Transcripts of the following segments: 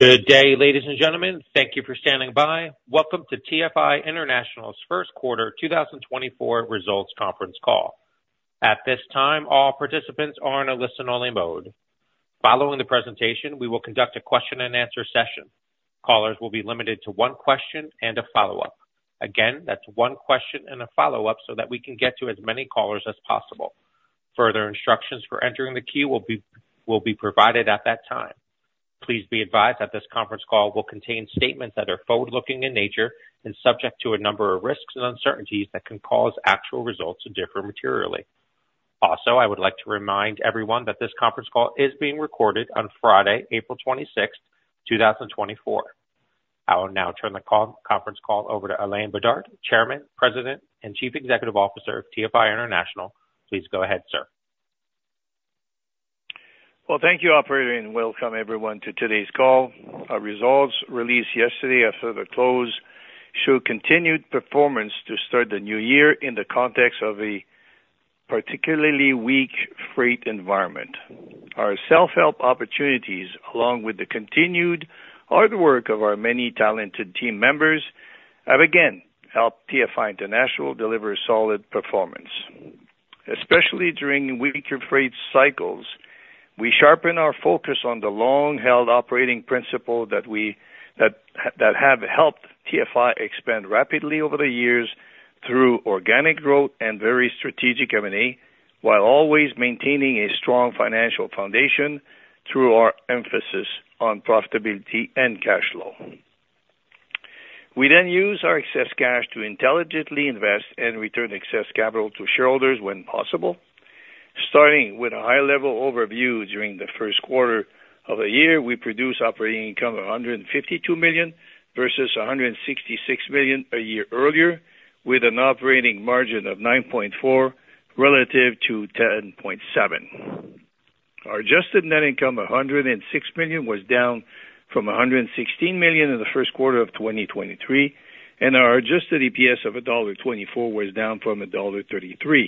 Good day, ladies and gentlemen. Thank you for standing by. Welcome to TFI International's first quarter 2024 results conference call. At this time, all participants are in a listen-only mode. Following the presentation, we will conduct a question-and-answer session. Callers will be limited to one question and a follow-up. Again, that's one question and a follow-up so that we can get to as many callers as possible. Further instructions for entering the queue will be provided at that time. Please be advised that this conference call will contain statements that are forward-looking in nature and subject to a number of risks and uncertainties that can cause actual results to differ materially. Also, I would like to remind everyone that this conference call is being recorded on Friday, April 26th, 2024. I will now turn the conference call over to Alain Bedard, Chairman, President, and Chief Executive Officer of TFI International. Please go ahead, sir. Well, thank you, Operator, and welcome everyone to today's call. Our results released yesterday after the close show continued performance to start the new year in the context of a particularly weak freight environment. Our self-help opportunities, along with the continued hard work of our many talented team members, have again helped TFI International deliver solid performance. Especially during weaker freight cycles, we sharpen our focus on the long-held operating principle that have helped TFI expand rapidly over the years through organic growth and very strategic M&A while always maintaining a strong financial foundation through our emphasis on profitability and cash flow. We then use our excess cash to intelligently invest and return excess capital to shareholders when possible. Starting with a high-level overview, during the first quarter of a year, we produced operating income of $152 million versus $166 million a year earlier with an operating margin of 9.4% relative to 10.7%. Our adjusted net income of $106 million was down from $116 million in the first quarter of 2023, and our adjusted EPS of $1.24 was down from $1.33.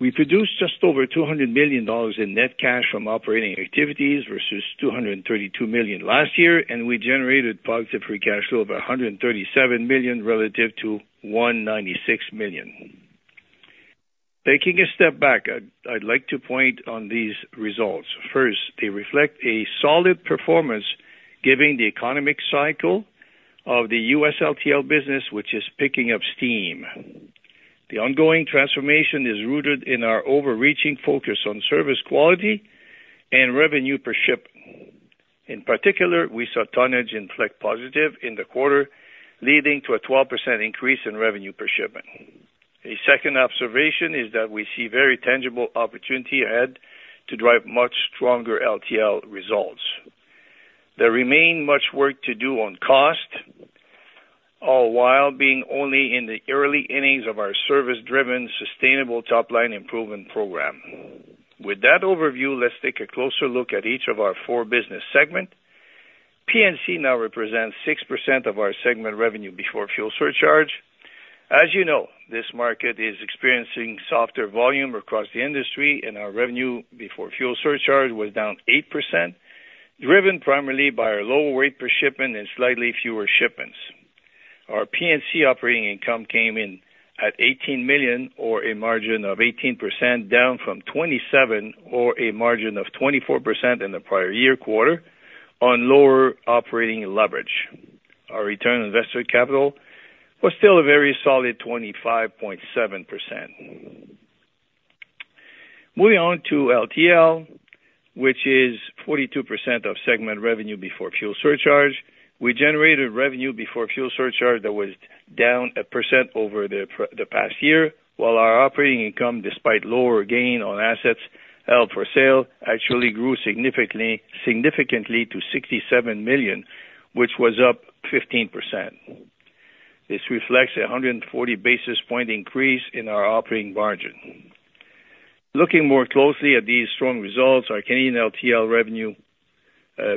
We produced just over $200 million in net cash from operating activities versus $232 million last year, and we generated positive free cash flow of $137 million relative to $196 million. Taking a step back, I'd like to point on these results. First, they reflect a solid performance given the economic cycle of the U.S. LTL business, which is picking up steam. The ongoing transformation is rooted in our overreaching focus on service quality and revenue per shipment. In particular, we saw tonnage inflect positive in the quarter, leading to a 12% increase in revenue per shipment. A second observation is that we see very tangible opportunity ahead to drive much stronger LTL results. There remains much work to do on cost, all while being only in the early innings of our service-driven, sustainable top-line improvement program. With that overview, let's take a closer look at each of our four business segments. P&C now represents 6% of our segment revenue before fuel surcharge. As you know, this market is experiencing softer volume across the industry, and our revenue before fuel surcharge was down 8%, driven primarily by our lower weight per shipment and slightly fewer shipments. Our P&C operating income came in at $18 million or a margin of 18% down from $27 million or a margin of 24% in the prior year quarter on lower operating leverage. Our return on invested capital was still a very solid 25.7%. Moving on to LTL, which is 42% of segment revenue before fuel surcharge, we generated revenue before fuel surcharge that was down 1% over the past year, while our operating income, despite lower gain on assets held for sale, actually grew significantly to $67 million, which was up 15%. This reflects a 140 basis points increase in our operating margin. Looking more closely at these strong results, our Canadian LTL revenue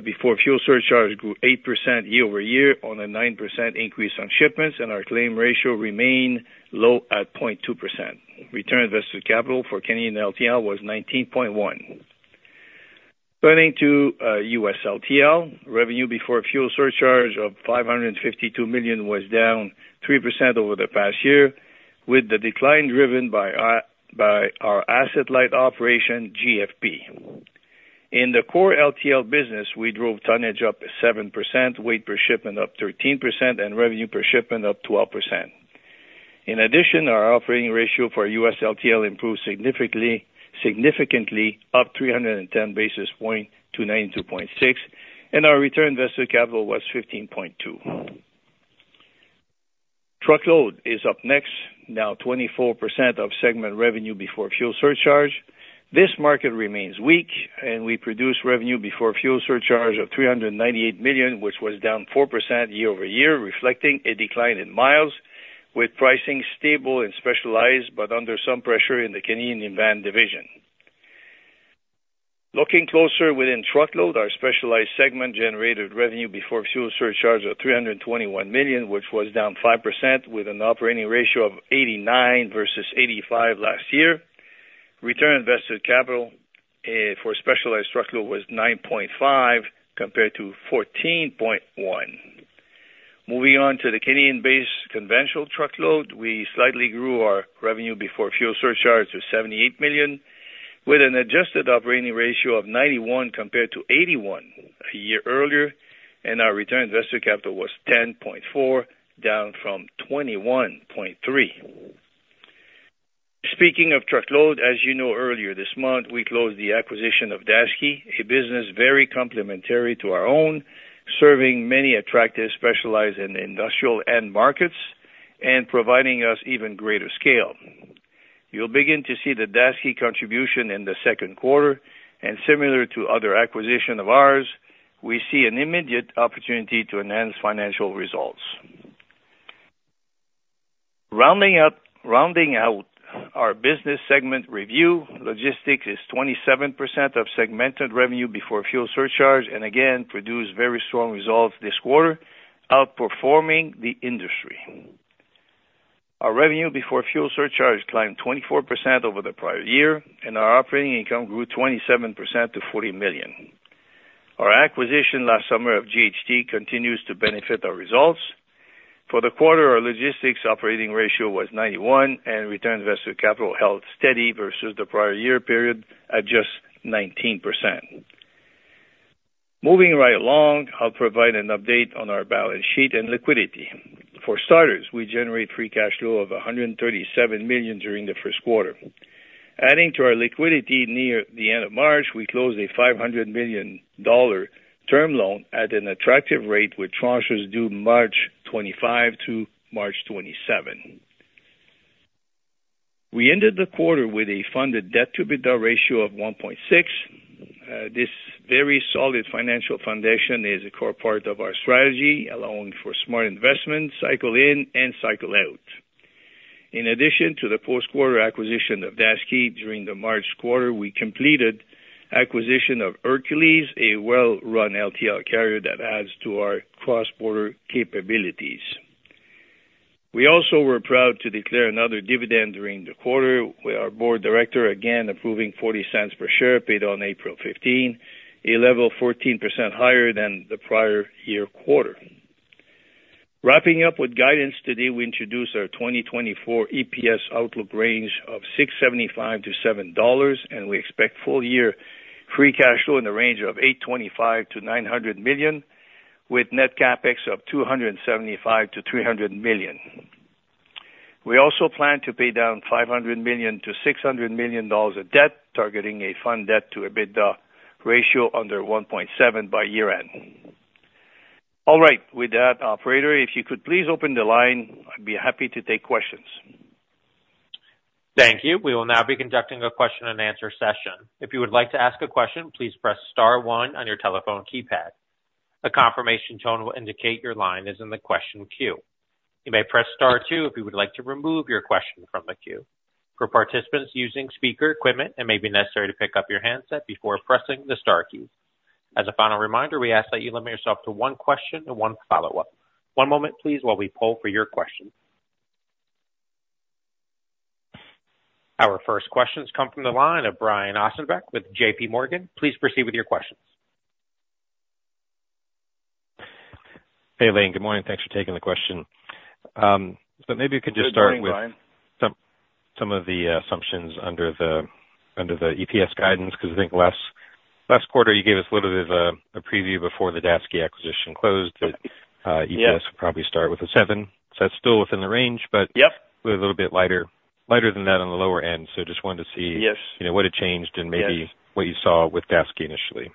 before fuel surcharge grew 8% year-over-year on a 9% increase on shipments, and our claim ratio remained low at 0.2%. Return on invested capital for Canadian LTL was 19.1%. Turning to US LTL, revenue before fuel surcharge of $552 million was down 3% over the past year with the decline driven by our asset-light operation, GFP. In the core LTL business, we drove tonnage up 7%, weight per shipment up 13%, and revenue per shipment up 12%. In addition, our operating ratio for US LTL improved significantly, up 310 basis points to 92.6%, and our return on invested capital was 15.2%. Truckload is up next, now 24% of segment revenue before fuel surcharge. This market remains weak, and we produced revenue before fuel surcharge of $398 million, which was down 4% year-over-year, reflecting a decline in miles with pricing stable in specialized, but under some pressure in the Canadian Van division. Looking closer within truckload, our specialized segment generated revenue before fuel surcharge of $321 million, which was down 5% with an operating ratio of 89% versus 85% last year. Return on invested capital for specialized truckload was 9.5% compared to 14.1%. Moving on to the Canadian-based conventional truckload, we slightly grew our revenue before fuel surcharge to $78 million with an adjusted operating ratio of 91% compared to 81% a year earlier, and our return on invested capital was 10.4% down from 21.3%. Speaking of truckload, as you know, earlier this month, we closed the acquisition of Daseke, a business very complementary to our own, serving many attractive specialized and industrial end markets and providing us even greater scale. You will begin to see the Daseke contribution in the second quarter, and similar to other acquisitions of ours, we see an immediate opportunity to enhance financial results. Rounding out our business segment review, logistics is 27% of segmented revenue before fuel surcharge and again produced very strong results this quarter, outperforming the industry. Our revenue before fuel surcharge climbed 24% over the prior year, and our operating income grew 27% to $40 million. Our acquisition last summer of JHT continues to benefit our results. For the quarter, our logistics operating ratio was 91%, and return on invested capital held steady versus the prior year period at just 19%. Moving right along, I will provide an update on our balance sheet and liquidity. For starters, we generate free cash flow of $137 million during the first quarter. Adding to our liquidity near the end of March, we closed a $500 million term loan at an attractive rate with tranches due March 25 to March 27. We ended the quarter with a funded debt-to-EBITDA ratio of 1.6%. This very solid financial foundation is a core part of our strategy, allowing for smart investments, cycle in, and cycle out. In addition to the post-quarter acquisition of Daseke during the March quarter, we completed acquisition of Hercules, a well-run LTL carrier that adds to our cross-border capabilities. We also were proud to declare another dividend during the quarter with our board director again approving $0.40 per share paid on April 15th, a level 14% higher than the prior year quarter. Wrapping up with guidance, today we introduced our 2024 EPS outlook range of $675-$700, and we expect full-year free cash flow in the range of $825 million-$900 million with net capex of $275 million-$300 million. We also plan to pay down $500 million-$600 million of debt, targeting a funded debt-to-EBITDA ratio under 1.7% by year-end. All right. With that, Operator, if you could please open the line, I'd be happy to take questions. Thank you. We will now be conducting a question-and-answer session. If you would like to ask a question, please press star one on your telephone keypad. A confirmation tone will indicate your line is in the question queue. You may press star two if you would like to remove your question from the queue. For participants using speaker equipment, it may be necessary to pick up your handset before pressing the star key. As a final reminder, we ask that you limit yourself to one question and one follow-up. One moment, please, while we pull for your question. Our first question has come from the line of Brian Ossenbeck with JPMorgan. Please proceed with your questions. Hey, Alain. Good morning. Thanks for taking the question. But maybe you could just start with some of the assumptions under the EPS guidance because I think last quarter you gave us a little bit of a preview before the Daseke acquisition closed that EPS would probably start with a $7. So that's still within the range, but we're a little bit lighter than that on the lower end. So just wanted to see what had changed and maybe what you saw with Daseke initially.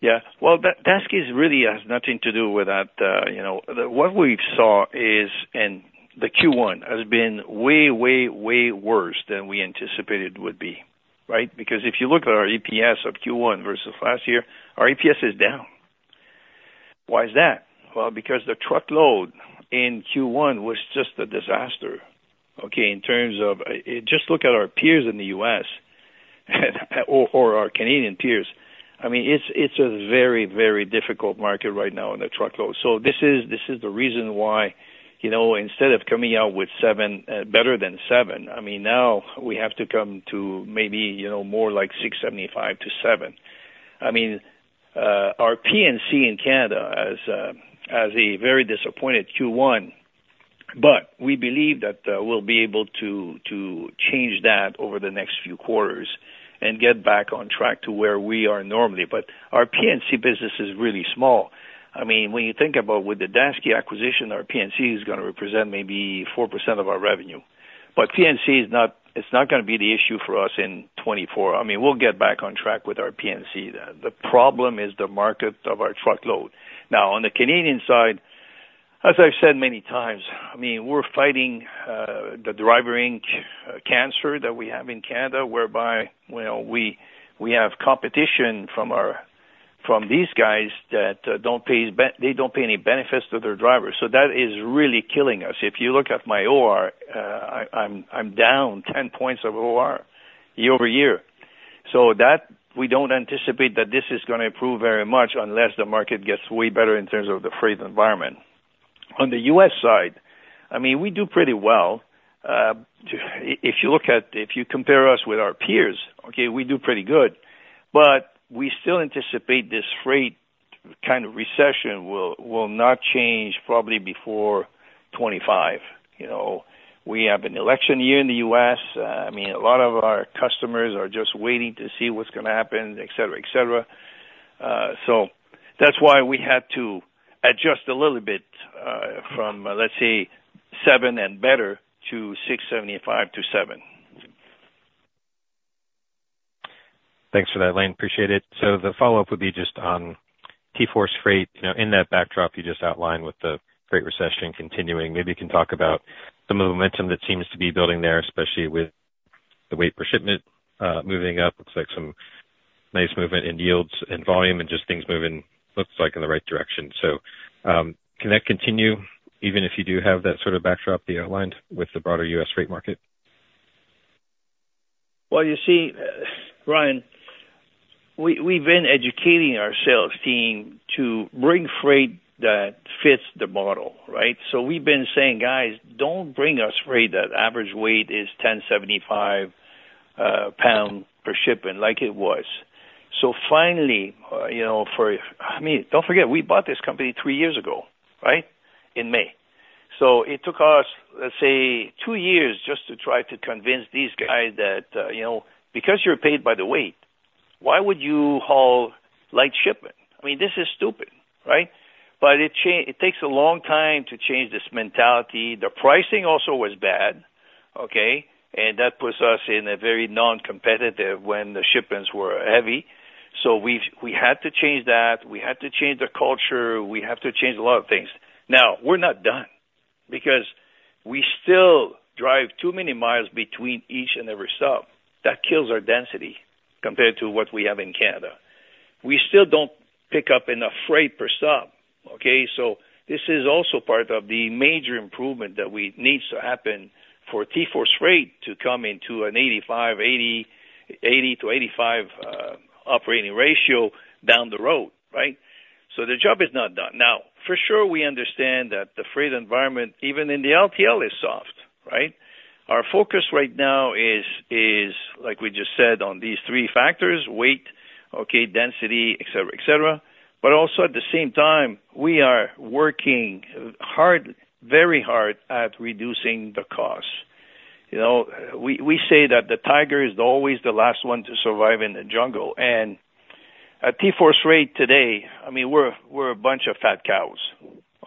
Yes. Well, Daseke really has nothing to do with that. What we saw is in the Q1 has been way, way, way worse than we anticipated it would be, right? Because if you look at our EPS of Q1 versus last year, our EPS is down. Why is that? Well, because the truckload in Q1 was just a disaster, okay, in terms of just look at our peers in the U.S. or our Canadian peers. I mean, it's a very, very difficult market right now in the truckload. So this is the reason why instead of coming out with better than $7, I mean, now we have to come to maybe more like $6.75-$7. I mean, our P&C in Canada has a very disappointing Q1, but we believe that we'll be able to change that over the next few quarters and get back on track to where we are normally. But our P&C business is really small. I mean, when you think about with the Daseke acquisition, our P&C is going to represent maybe 4% of our revenue. But P&C, it's not going to be the issue for us in 2024. I mean, we'll get back on track with our P&C. The problem is the market of our truckload. Now, on the Canadian side, as I've said many times, I mean, we're fighting the Driver Inc. cancer that we have in Canada whereby we have competition from these guys that don't pay any benefits to their drivers. So that is really killing us. If you look at my OR, I'm down 10 points of OR year-over-year. So we don't anticipate that this is going to improve very much unless the market gets way better in terms of the freight environment. On the U.S. side, I mean, we do pretty well. If you compare us with our peers, okay, we do pretty good. But we still anticipate this freight kind of recession will not change probably before 2025. We have an election year in the U.S. I mean, a lot of our customers are just waiting to see what's going to happen, etc., etc. So that's why we had to adjust a little bit from, let's say, 7 and better to 6.75 to 7. Thanks for that, Alain. Appreciate it. So the follow-up would be just on TForce Freight in that backdrop you just outlined with the freight recession continuing. Maybe you can talk about the momentum that seems to be building there, especially with the weight per shipment moving up. Looks like some nice movement in yields and volume and just things moving, looks like, in the right direction. So can that continue even if you do have that sort of backdrop that you outlined with the broader U.S. freight market? Well, you see, Ryan, we've been educating our sales team to bring freight that fits the model, right? So we've been saying, "Guys, don't bring us freight that average weight is 1,075 pounds per shipment like it was." So finally, for I mean, don't forget, we bought this company three years ago, right, in May. So it took us, let's say, two years just to try to convince these guys that because you're paid by the weight, why would you haul light shipment? I mean, this is stupid, right? But it takes a long time to change this mentality. The pricing also was bad, okay? And that puts us in a very non-competitive when the shipments were heavy. So we had to change that. We had to change the culture. We have to change a lot of things. Now, we're not done because we still drive too many miles between each and every stop. That kills our density compared to what we have in Canada. We still don't pick up enough freight per stop, okay? So this is also part of the major improvement that needs to happen for TForce Freight to come into an 80%-85% operating ratio down the road, right? So the job is not done. Now, for sure, we understand that the freight environment, even in the LTL, is soft, right? Our focus right now is, like we just said, on these three factors: weight, okay, density, etc., etc. But also at the same time, we are working hard, very hard at reducing the cost. We say that the tiger is always the last one to survive in the jungle. And at TForce Freight today, I mean, we're a bunch of fat cows,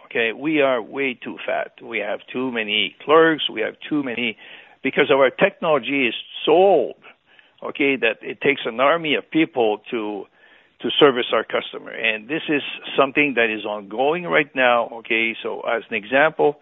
okay? We are way too fat. We have too many clerks. We have too many because our technology is so old, okay, that it takes an army of people to service our customer. And this is something that is ongoing right now, okay? So as an example,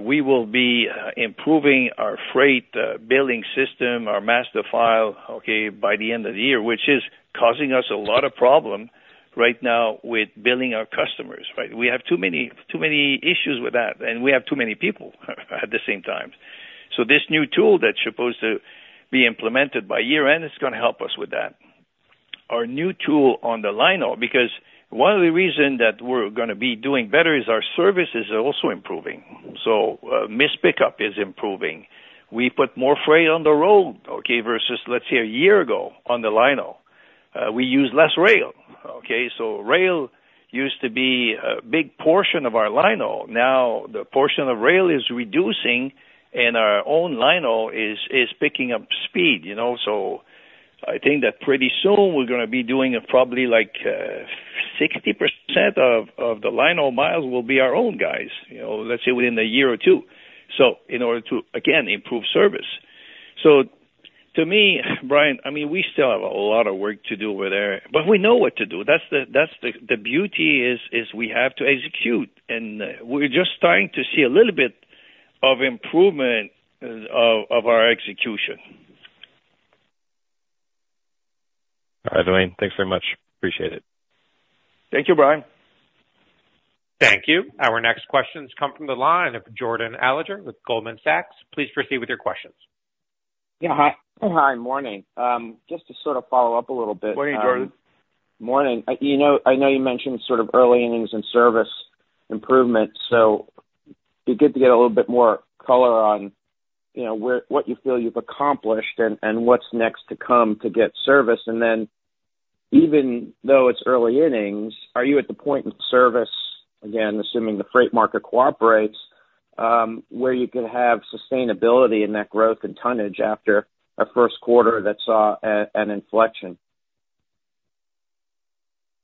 we will be improving our freight billing system, our master file, okay, by the end of the year, which is causing us a lot of problems right now with billing our customers, right? We have too many issues with that, and we have too many people at the same time. So this new tool that's supposed to be implemented by year-end is going to help us with that. Our new tool on the linehaul, because one of the reasons that we're going to be doing better is our services are also improving. So missed pickup is improving. We put more freight on the road, okay, versus, let's say, a year ago on the linehaul. We use less rail, okay? So rail used to be a big portion of our linehaul. Now, the portion of rail is reducing, and our own linehaul is picking up speed. So I think that pretty soon we're going to be doing probably like 60% of the linehaul miles will be our own guys, let's say, within a year or two in order to, again, improve service. So to me, Brian, I mean, we still have a lot of work to do over there, but we know what to do. That's the beauty is we have to execute. We're just starting to see a little bit of improvement of our execution. All right, Alain. Thanks very much. Appreciate it. Thank you, Brian. Thank you. Our next questions come from the line of Jordan Alliger with Goldman Sachs. Please proceed with your questions. Yeah. Hi. Morning. Just to sort of follow up a little bit. Morning, Jordan. Morning. I know you mentioned sort of early innings and service improvements. So it'd be good to get a little bit more color on what you feel you've accomplished and what's next to come to get service. And then even though it's early innings, are you at the point in service, again, assuming the freight market cooperates, where you could have sustainability in that growth and tonnage after a first quarter that saw an inflection?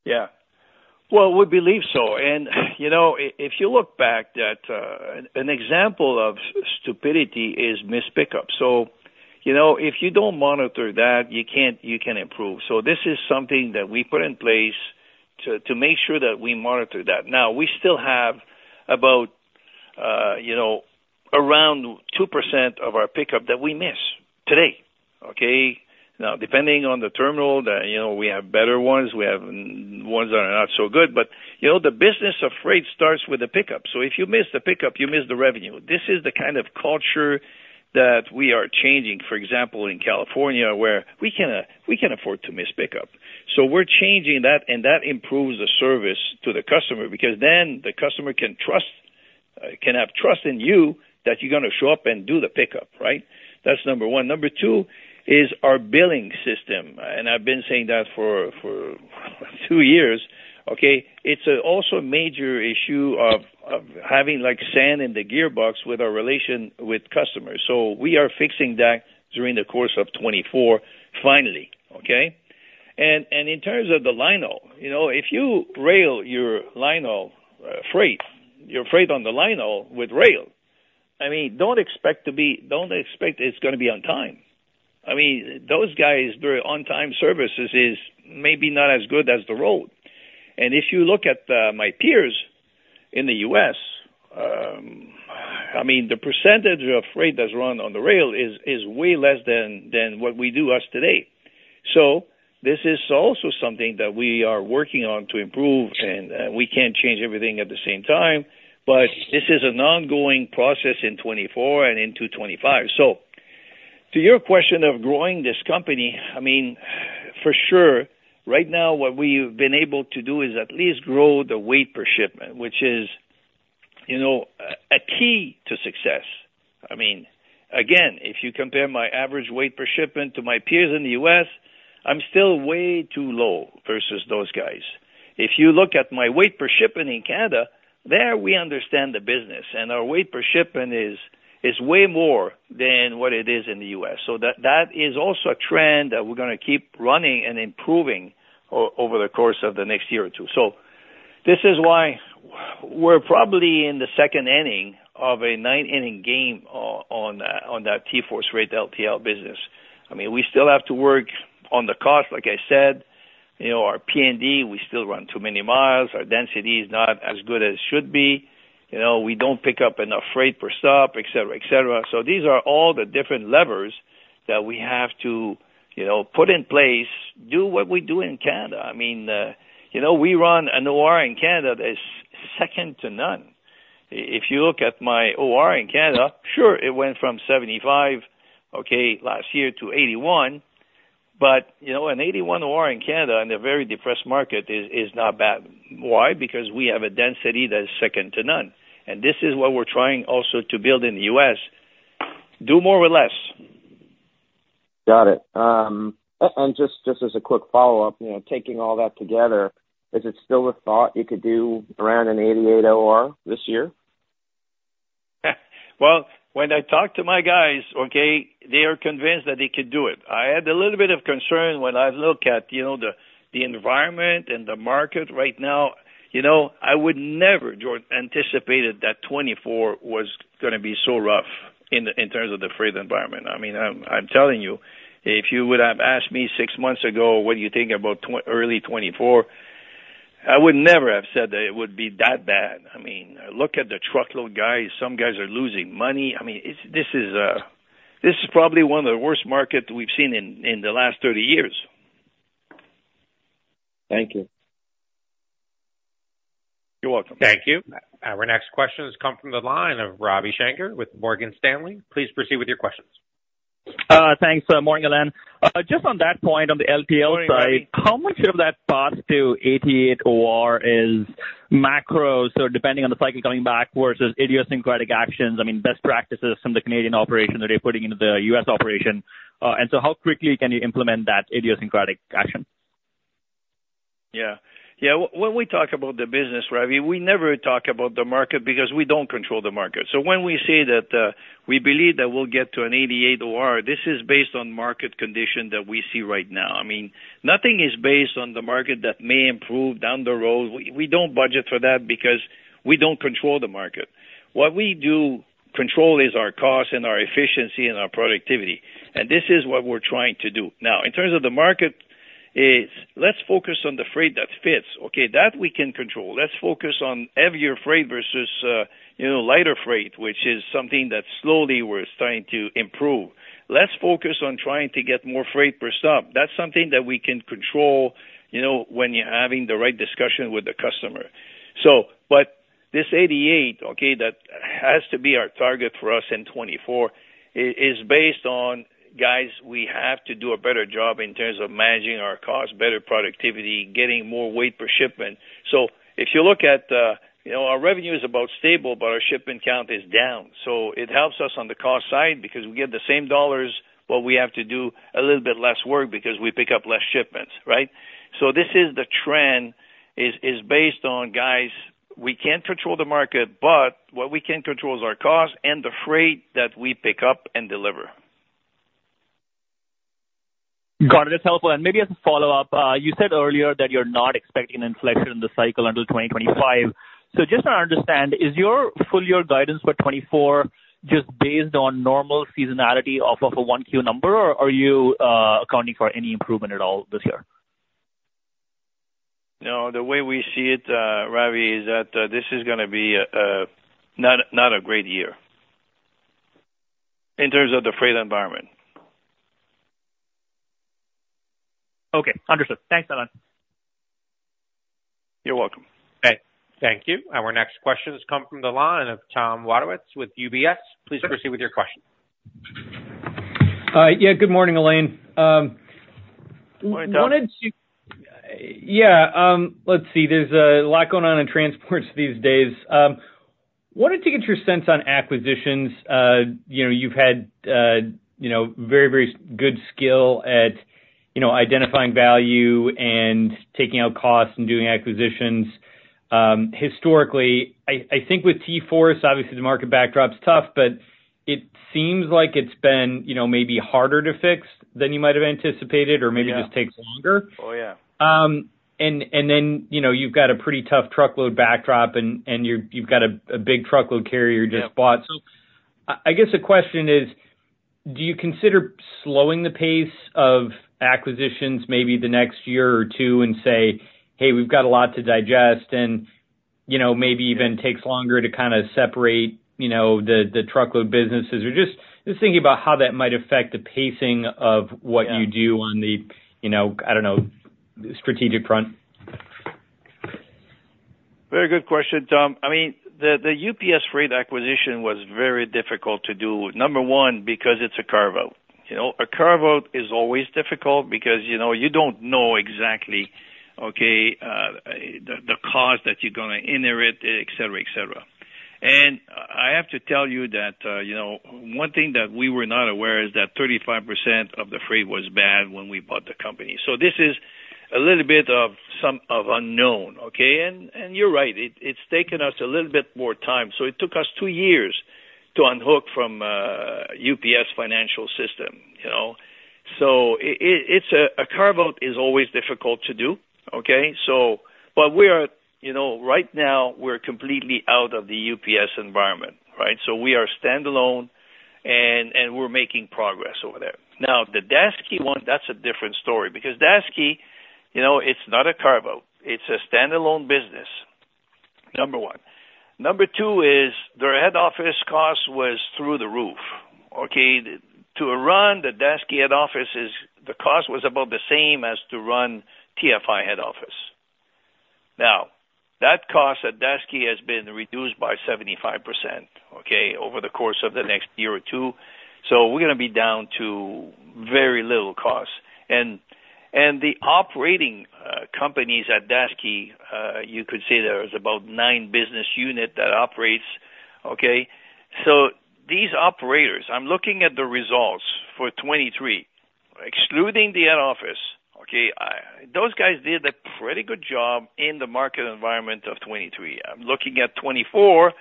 Yeah. Well, we believe so. And if you look back, an example of stupidity is missed pickup. So if you don't monitor that, you can't improve. So this is something that we put in place to make sure that we monitor that. Now, we still have about around 2% of our pickup that we miss today, okay? Now, depending on the terminal, we have better ones. We have ones that are not so good. But the business of freight starts with the pickup. So if you miss the pickup, you miss the revenue. This is the kind of culture that we are changing, for example, in California where we can afford to miss pickup. So we're changing that, and that improves the service to the customer because then the customer can have trust in you that you're going to show up and do the pickup, right? That's number one. Number two is our billing system. I've been saying that for two years, okay? It's also a major issue of having sand in the gearbox with our relation with customers. We are fixing that during the course of 2024, finally, okay? In terms of the linehaul, if you rail your linehaul freight, your freight on the linehaul with rail, I mean, don't expect to be don't expect it's going to be on time. I mean, those guys' on-time services is maybe not as good as the road. If you look at my peers in the US, I mean, the percentage of freight that's run on the rail is way less than what we do in the US today. This is also something that we are working on to improve, and we can't change everything at the same time. But this is an ongoing process in 2024 and into 2025. So to your question of growing this company, I mean, for sure, right now, what we've been able to do is at least grow the weight per shipment, which is a key to success. I mean, again, if you compare my average weight per shipment to my peers in the US, I'm still way too low versus those guys. If you look at my weight per shipment in Canada, there, we understand the business. And our weight per shipment is way more than what it is in the US. So that is also a trend that we're going to keep running and improving over the course of the next year or two. So this is why we're probably in the second inning of a ninth-inning game on that TForce Freight LTL business. I mean, we still have to work on the cost. Like I said, our P&D, we still run too many miles. Our density is not as good as it should be. We don't pick up enough freight per stop, etc., etc. So these are all the different levers that we have to put in place, do what we do in Canada. I mean, we run an OR in Canada that's second to none. If you look at my OR in Canada, sure, it went from 75% to 81%. But an 81% OR in Canada in a very depressed market is not bad. Why? Because we have a density that's second to none. And this is what we're trying also to build in the U.S.: do more with less. Got it. And just as a quick follow-up, taking all that together, is it still a thought you could do around an 88 OR this year? Well, when I talk to my guys, okay, they are convinced that they could do it. I had a little bit of concern when I look at the environment and the market right now. I would never, Jordan, anticipated that 2024 was going to be so rough in terms of the freight environment. I mean, I'm telling you, if you would have asked me six months ago, "What do you think about early 2024?" I would never have said that it would be that bad. I mean, look at the truckload guys. Some guys are losing money. I mean, this is probably one of the worst markets we've seen in the last 30 years. Thank you. You're welcome. Thank you. Our next questions come from the line of Ravi Shanker with Morgan Stanley. Please proceed with your questions. Thanks. Morning, Alain. Just on that point, on the LTL side, how much of that path to 88 OR is macro, so depending on the cycle coming back versus idiosyncratic actions, I mean, best practices from the Canadian operation that they're putting into the U.S. operation? And so how quickly can you implement that idiosyncratic action? Yeah. Yeah. When we talk about the business, Ravi, we never talk about the market because we don't control the market. So when we say that we believe that we'll get to an 88 OR, this is based on market condition that we see right now. I mean, nothing is based on the market that may improve down the road. We don't budget for that because we don't control the market. What we do control is our cost and our efficiency and our productivity. And this is what we're trying to do. Now, in terms of the market, let's focus on the freight that fits, okay? That we can control. Let's focus on heavier freight versus lighter freight, which is something that slowly we're starting to improve. Let's focus on trying to get more freight per stop. That's something that we can control when you're having the right discussion with the customer. But this 88%, okay, that has to be our target for us in 2024 is based on, "Guys, we have to do a better job in terms of managing our costs, better productivity, getting more weight per shipment." So if you look at our revenue is about stable, but our shipment count is down. So it helps us on the cost side because we get the same dollars, but we have to do a little bit less work because we pick up less shipments, right? So this is the trend is based on, "Guys, we can't control the market, but what we can control is our costs and the freight that we pick up and deliver. Got it. That's helpful. And maybe as a follow-up, you said earlier that you're not expecting an inflection in the cycle until 2025. So just to understand, is your full-year guidance for 2024 just based on normal seasonality off of a 1Q number, or are you accounting for any improvement at all this year? No. The way we see it, Ravi, is that this is going to be not a great year in terms of the freight environment. Okay. Understood. Thanks, Alain. You're welcome. Okay. Thank you. Our next questions come from the line of Tom Wadewitz with UBS. Please proceed with your question. Yeah. Good morning, Alain. Morning, Tom. Yeah. Let's see. There's a lot going on in transports these days. Wanted to get your sense on acquisitions. You've had very, very good skill at identifying value and taking out costs and doing acquisitions. Historically, I think with T-Force, obviously, the market backdrop's tough, but it seems like it's been maybe harder to fix than you might have anticipated or maybe just takes longer. And then you've got a pretty tough truckload backdrop, and you've got a big truckload carrier you just bought. So I guess the question is, do you consider slowing the pace of acquisitions maybe the next year or two and say, "Hey, we've got a lot to digest," and maybe even takes longer to kind of separate the truckload businesses? Just thinking about how that might affect the pacing of what you do on the, I don't know, strategic front. Very good question, Tom. I mean, the UPS freight acquisition was very difficult to do, number one, because it's a carve-out. A carve-out is always difficult because you don't know exactly, okay, the cost that you're going to inherit, etc., etc. And I have to tell you that one thing that we were not aware is that 35% of the freight was bad when we bought the company. So this is a little bit of unknown, okay? And you're right. It's taken us a little bit more time. So it took us two years to unhook from UPS financial system. So a carve-out is always difficult to do, okay? But right now, we're completely out of the UPS environment, right? So we are standalone, and we're making progress over there. Now, the Daseke one, that's a different story because Daseke, it's not a carve-out. It's a standalone business, number one. Number 2 is their head office cost was through the roof, okay? To run the Daseke head office, the cost was about the same as to run TFI head office. Now, that cost at Daseke has been reduced by 75%, okay, over the course of the next year or two. So we're going to be down to very little cost. And the operating companies at Daseke, you could say there is about 9 business units that operate, okay? So these operators, I'm looking at the results for 2023, excluding the head office, okay, those guys did a pretty good job in the market environment of 2023. I'm looking at 2024.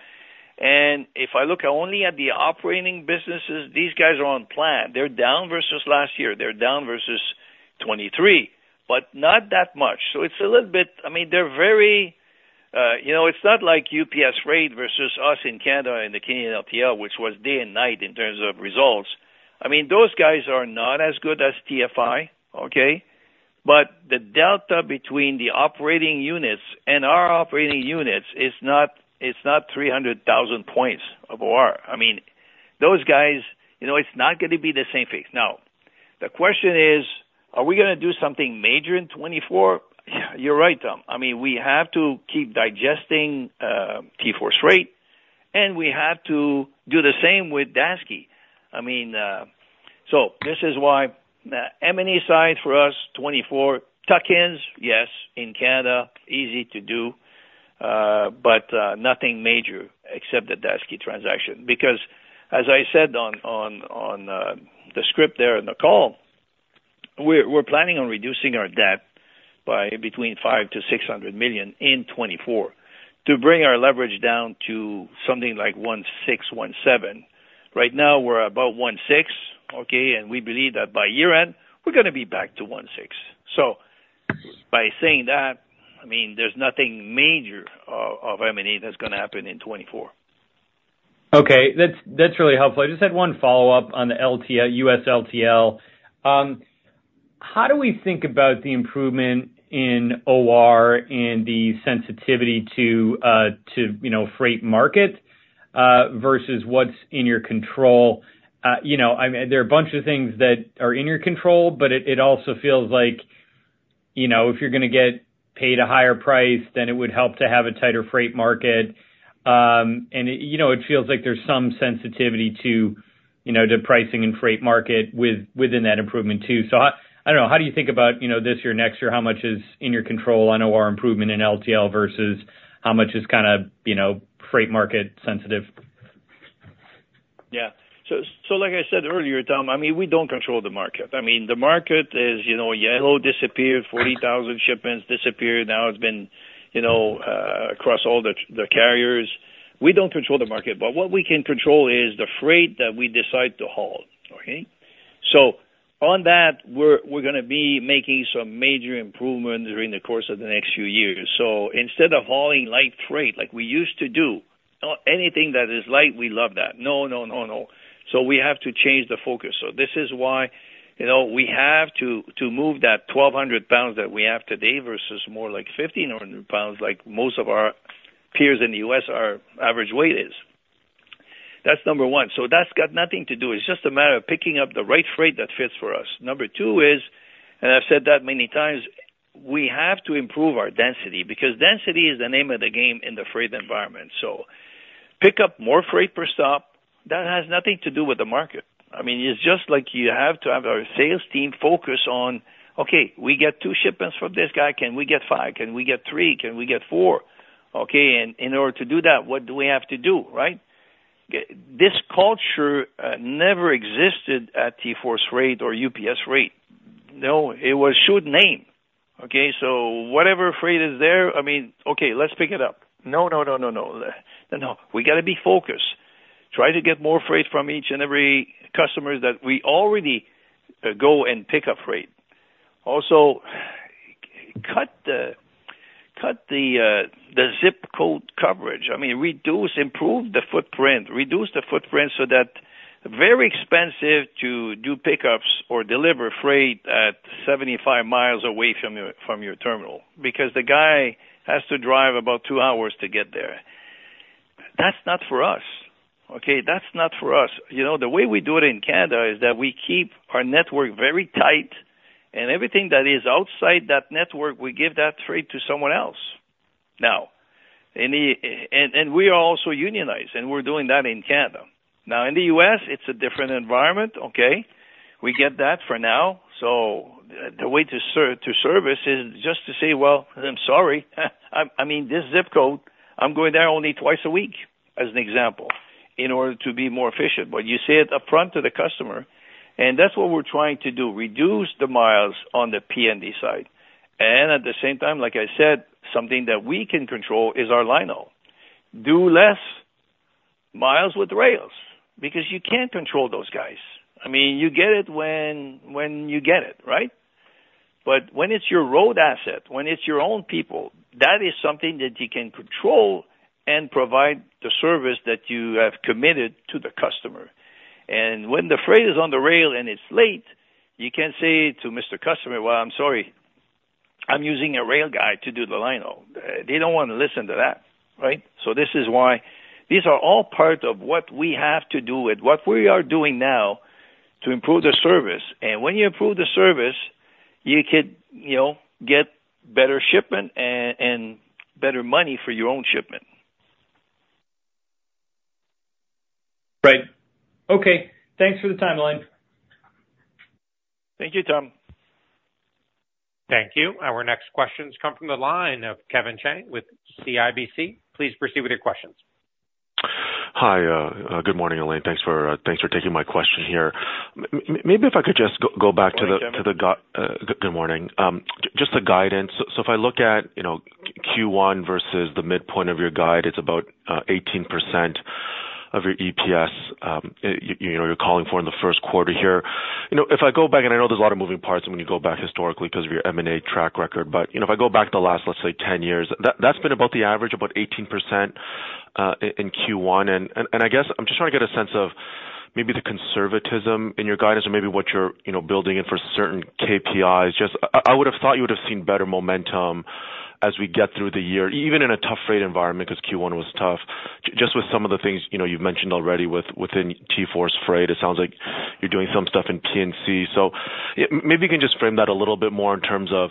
And if I look only at the operating businesses, these guys are on plan. They're down versus last year. They're down versus 2023, but not that much. So it's a little bit. I mean, they're very, it's not like UPS Freight versus us in Canada and the Canadian LTL, which was day and night in terms of results. I mean, those guys are not as good as TFI, okay? But the delta between the operating units and our operating units is not 300,000 points of OR. I mean, those guys, it's not going to be the same fix. Now, the question is, are we going to do something major in 2024? You're right, Tom. I mean, we have to keep digesting TForce Freight, and we have to do the same with Daseke. I mean, so this is why M&A side for us, 2024, tuck-ins, yes, in Canada, easy to do, but nothing major except the Daseke transaction because, as I said on the script there in the call, we're planning on reducing our debt by between $500 million-$600 million in 2024 to bring our leverage down to something like 1.6, 1.7. Right now, we're about 1.6, okay? And we believe that by year-end, we're going to be back to 1.6. So by saying that, I mean, there's nothing major of M&A that's going to happen in 2024. Okay. That's really helpful. I just had one follow-up on the US LTL. How do we think about the improvement in OR and the sensitivity to freight market versus what's in your control? I mean, there are a bunch of things that are in your control, but it also feels like if you're going to get paid a higher price, then it would help to have a tighter freight market. And it feels like there's some sensitivity to pricing and freight market within that improvement too. So I don't know. How do you think about this year, next year, how much is in your control on OR improvement in LTL versus how much is kind of freight market sensitive? Yeah. So like I said earlier, Tom, I mean, we don't control the market. I mean, the market is Yellow, disappeared. 40,000 shipments disappeared. Now, it's been across all the carriers. We don't control the market. But what we can control is the freight that we decide to haul, okay? So on that, we're going to be making some major improvements during the course of the next few years. So instead of hauling light freight like we used to do, anything that is light, we love that. No, no, no, no. So we have to change the focus. So this is why we have to move that 1,200 pounds that we have today versus more like 1,500 pounds like most of our peers in the U.S., our average weight is. That's number one. So that's got nothing to do. It's just a matter of picking up the right freight that fits for us. Number 2 is, and I've said that many times, we have to improve our density because density is the name of the game in the freight environment. So pick up more freight per stop. That has nothing to do with the market. I mean, it's just like you have to have our sales team focus on, "Okay, we get 2 shipments from this guy. Can we get 5? Can we get 3? Can we get 4?" Okay? And in order to do that, what do we have to do, right? This culture never existed at TForce Freight or UPS Freight. No. It was shotgun, okay? So whatever freight is there, I mean, "Okay, let's pick it up." No, no, no, no, no. No, no. We got to be focused. Try to get more freight from each and every customer that we already go and pick up freight. Also, cut the zip code coverage. I mean, improve the footprint. Reduce the footprint so that very expensive to do pickups or deliver freight at 75 miles away from your terminal because the guy has to drive about two hours to get there. That's not for us, okay? That's not for us. The way we do it in Canada is that we keep our network very tight, and everything that is outside that network, we give that freight to someone else. Now, and we are also unionized, and we're doing that in Canada. Now, in the US, it's a different environment, okay? We get that for now. So the way to service is just to say, "Well, I'm sorry. I mean, this zip code, I'm going there only twice a week," as an example, in order to be more efficient. But you say it upfront to the customer, and that's what we're trying to do, reduce the miles on the P&D side. And at the same time, like I said, something that we can control is our line-haul. Do less miles with rails because you can't control those guys. I mean, you get it when you get it, right? But when it's your road asset, when it's your own people, that is something that you can control and provide the service that you have committed to the customer. And when the freight is on the rail and it's late, you can't say to Mr. Customer, "Well, I'm sorry. I'm using a rail guy to do the line-haul." They don't want to listen to that, right? This is why these are all part of what we have to do and what we are doing now to improve the service. When you improve the service, you could get better shipment and better money for your own shipment. Right. Okay. Thanks for the timeline. Thank you, Tom. Thank you. Our next questions come from the line of Kevin Chiang with CIBC. Please proceed with your questions. Hi. Good morning, Alain. Thanks for taking my question here. Maybe if I could just go back to the guidance. Just the guidance. So if I look at Q1 versus the midpoint of your guide, it's about 18% of your EPS you're calling for in the first quarter here. If I go back and I know there's a lot of moving parts when you go back historically because of your M&A track record, but if I go back to the last, let's say, 10 years, that's been about the average, about 18% in Q1. And I guess I'm just trying to get a sense of maybe the conservatism in your guidance or maybe what you're building in for certain KPIs. I would have thought you would have seen better momentum as we get through the year, even in a tough freight environment because Q1 was tough, just with some of the things you've mentioned already within TForce Freight. It sounds like you're doing some stuff in P&C. So maybe you can just frame that a little bit more in terms of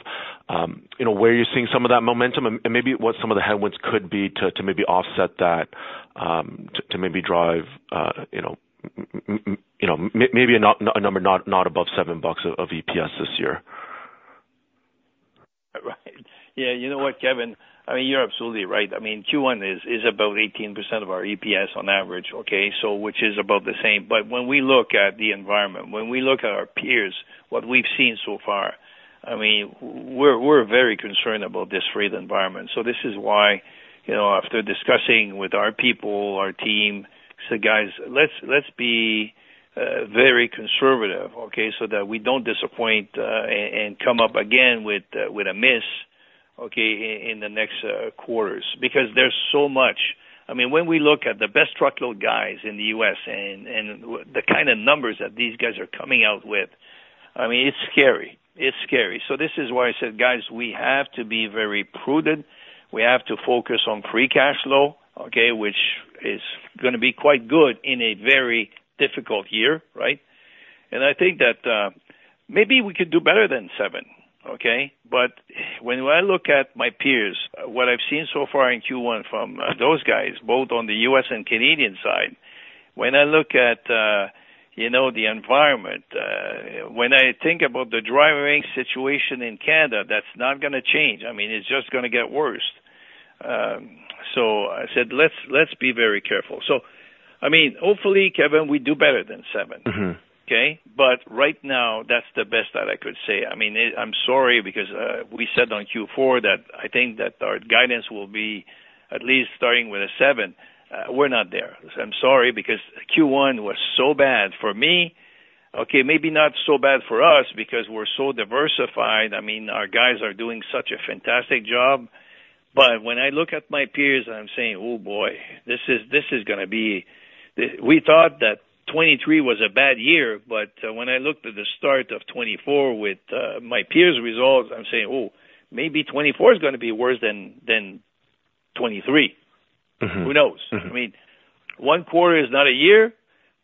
where you're seeing some of that momentum and maybe what some of the headwinds could be to maybe offset that, to maybe drive maybe a number not above $7 of EPS this year. Right. Yeah. You know what, Kevin? I mean, you're absolutely right. I mean, Q1 is about 18% of our EPS on average, okay, which is about the same. But when we look at the environment, when we look at our peers, what we've seen so far, I mean, we're very concerned about this freight environment. So this is why, after discussing with our people, our team, I said, "Guys, let's be very conservative, okay, so that we don't disappoint and come up again with a miss, okay, in the next quarters because there's so much." I mean, when we look at the best truckload guys in the U.S. and the kind of numbers that these guys are coming out with, I mean, it's scary. It's scary. So this is why I said, "Guys, we have to be very prudent. We have to focus on free cash flow, okay, which is going to be quite good in a very difficult year, right?" And I think that maybe we could do better than 7, okay? But when I look at my peers, what I've seen so far in Q1 from those guys, both on the US and Canadian side, when I look at the environment, when I think about the driving rate situation in Canada, that's not going to change. I mean, it's just going to get worse. So I said, "Let's be very careful." So I mean, hopefully, Kevin, we do better than 7, okay? But right now, that's the best that I could say. I mean, I'm sorry because we said on Q4 that I think that our guidance will be at least starting with a 7. We're not there. I'm sorry because Q1 was so bad for me, okay, maybe not so bad for us because we're so diversified. I mean, our guys are doing such a fantastic job. But when I look at my peers, I'm saying, "Oh, boy. This is going to be" we thought that 2023 was a bad year, but when I looked at the start of 2024 with my peers' results, I'm saying, "Oh, maybe 2024 is going to be worse than 2023. Who knows?" I mean, one quarter is not a year,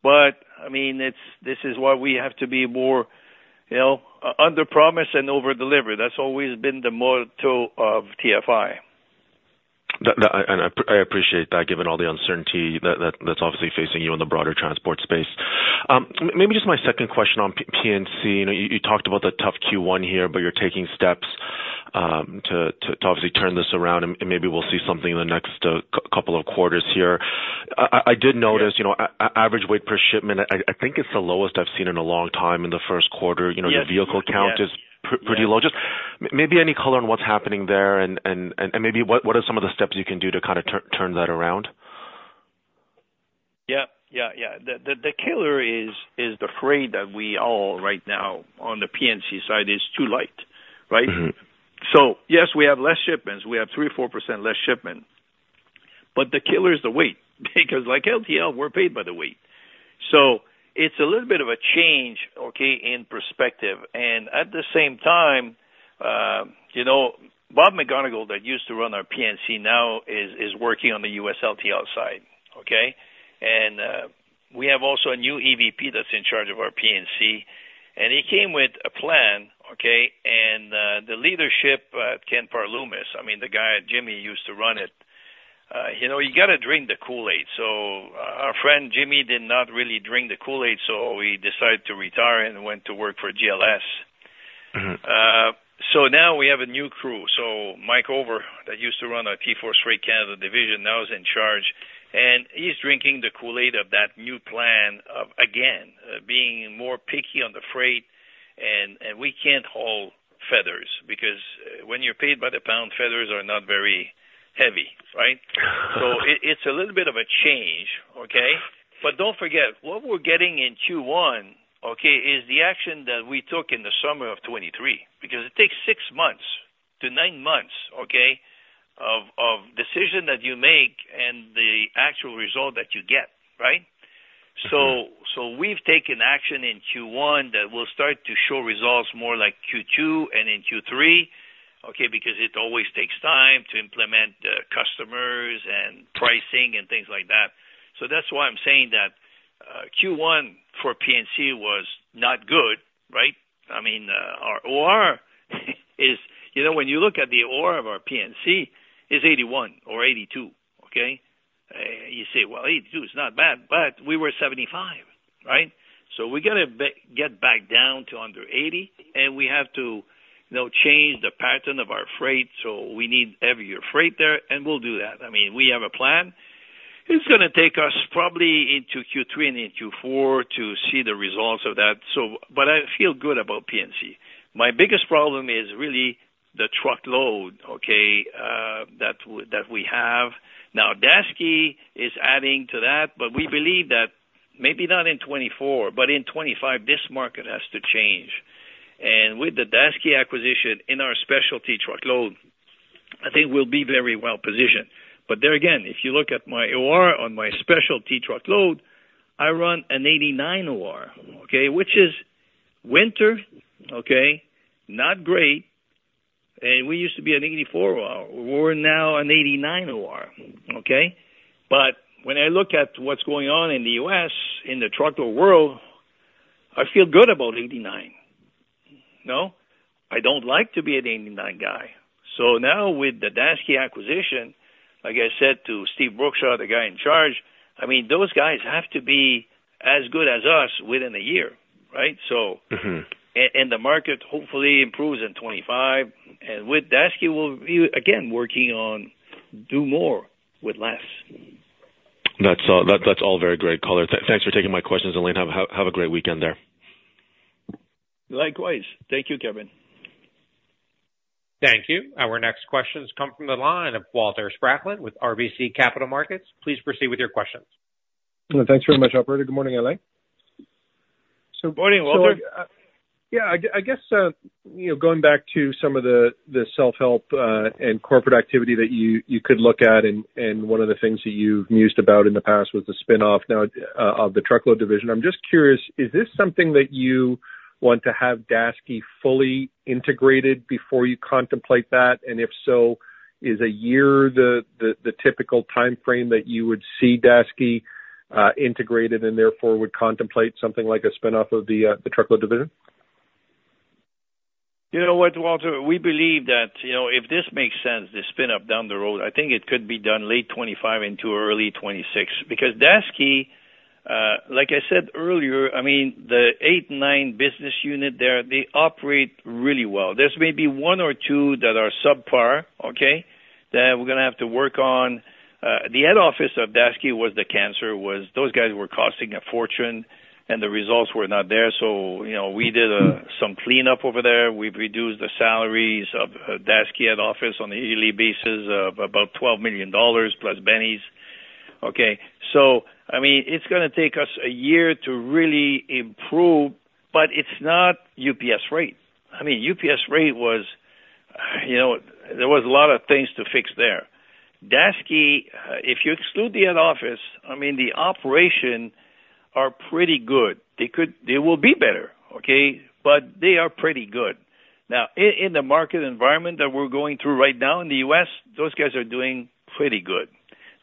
but I mean, this is why we have to be more under-promise and over-deliver. That's always been the motto of TFI. I appreciate that given all the uncertainty that's obviously facing you in the broader transport space. Maybe just my second question on P&C. You talked about the tough Q1 here, but you're taking steps to obviously turn this around, and maybe we'll see something in the next couple of quarters here. I did notice average weight per shipment, I think it's the lowest I've seen in a long time in the first quarter. Your vehicle count is pretty low. Just maybe any color on what's happening there and maybe what are some of the steps you can do to kind of turn that around? Yeah, yeah, yeah. The killer is the freight that we all right now on the P&C side is too light, right? So yes, we have less shipments. We have 3%-4% less shipment. But the killer is the weight because, like LTL, we're paid by the weight. So it's a little bit of a change, okay, in perspective. And at the same time, Bob McGonigal, that used to run our P&C, now is working on the US LTL side, okay? And we have also a new EVP that's in charge of our P&C, and he came with a plan, okay? And the leadership at Loomis Express, I mean, the guy, Jimmy, used to run it. You got to drink the Kool-Aid. So our friend, Jimmy, did not really drink the Kool-Aid, so he decided to retire and went to work for GLS. So now we have a new crew. So Mike Oliver, that used to run our TForce Freight Canada division, now is in charge, and he's drinking the Kool-Aid of that new plan of, again, being more picky on the freight. And we can't haul feathers because when you're paid by the pound, feathers are not very heavy, right? So it's a little bit of a change, okay? But don't forget, what we're getting in Q1, okay, is the action that we took in the summer of 2023 because it takes 6-9 months, okay, of decision that you make and the actual result that you get, right? So we've taken action in Q1 that will start to show results more like Q2 and in Q3, okay, because it always takes time to implement customers and pricing and things like that. So that's why I'm saying that Q1 for P&C was not good, right? I mean, our OR is when you look at the OR of our P&C, it's 81 or 82, okay? You say, "Well, 82 is not bad, but we were 75, right? So we got to get back down to under 80, and we have to change the pattern of our freight. So we need heavier freight there, and we'll do that." I mean, we have a plan. It's going to take us probably into Q3 and into Q4 to see the results of that. But I feel good about P&C. My biggest problem is really the truckload, okay, that we have. Now, Daseke is adding to that, but we believe that maybe not in 2024, but in 2025, this market has to change. And with the Daseke acquisition in our specialty truckload, I think we'll be very well positioned. But there again, if you look at my OR on my specialty truckload, I run an 89 OR, okay, which is worse, okay, not great. And we used to be an 84 OR. We're now an 89 OR, okay? But when I look at what's going on in the U.S., in the truckload world, I feel good about 89. I don't like to be an 89 guy. So now with the Daseke acquisition, like I said to Steve Brookshaw, the guy in charge, I mean, those guys have to be as good as us within a year, right? And the market, hopefully, improves in 2025. And with Daseke, we'll be, again, working on do more with less. That's all very great color. Thanks for taking my questions, Alain. Have a great weekend there. Likewise. Thank you, Kevin. Thank you. Our next questions come from the line of Walter Spracklin with RBC Capital Markets. Please proceed with your questions. Thanks very much, Alberto. Good morning, Alain. Good morning, Walter. Yeah. I guess going back to some of the self-help and corporate activity that you could look at, and one of the things that you've mused about in the past was the spinoff now of the truckload division. I'm just curious, is this something that you want to have Daseke fully integrated before you contemplate that? And if so, is a year the typical timeframe that you would see Daseke integrated and therefore would contemplate something like a spinoff of the truckload division? You know what, Walter? We believe that if this makes sense, the spinoff down the road, I think it could be done late 2025 into early 2026 because Daseke, like I said earlier, I mean, the eight or nine business units there, they operate really well. There's maybe one or two that are subpar, okay, that we're going to have to work on. The head office of Daseke was the cancer. Those guys were costing a fortune, and the results were not there. So we did some cleanup over there. We've reduced the salaries of Daseke head office on a yearly basis of about $12 million+ benefits, okay? So I mean, it's going to take us a year to really improve, but it's not UPS rate. I mean, UPS rate was there was a lot of things to fix there. Daseke, if you exclude the head office, I mean, the operations are pretty good. They will be better, okay, but they are pretty good. Now, in the market environment that we're going through right now in the US, those guys are doing pretty good.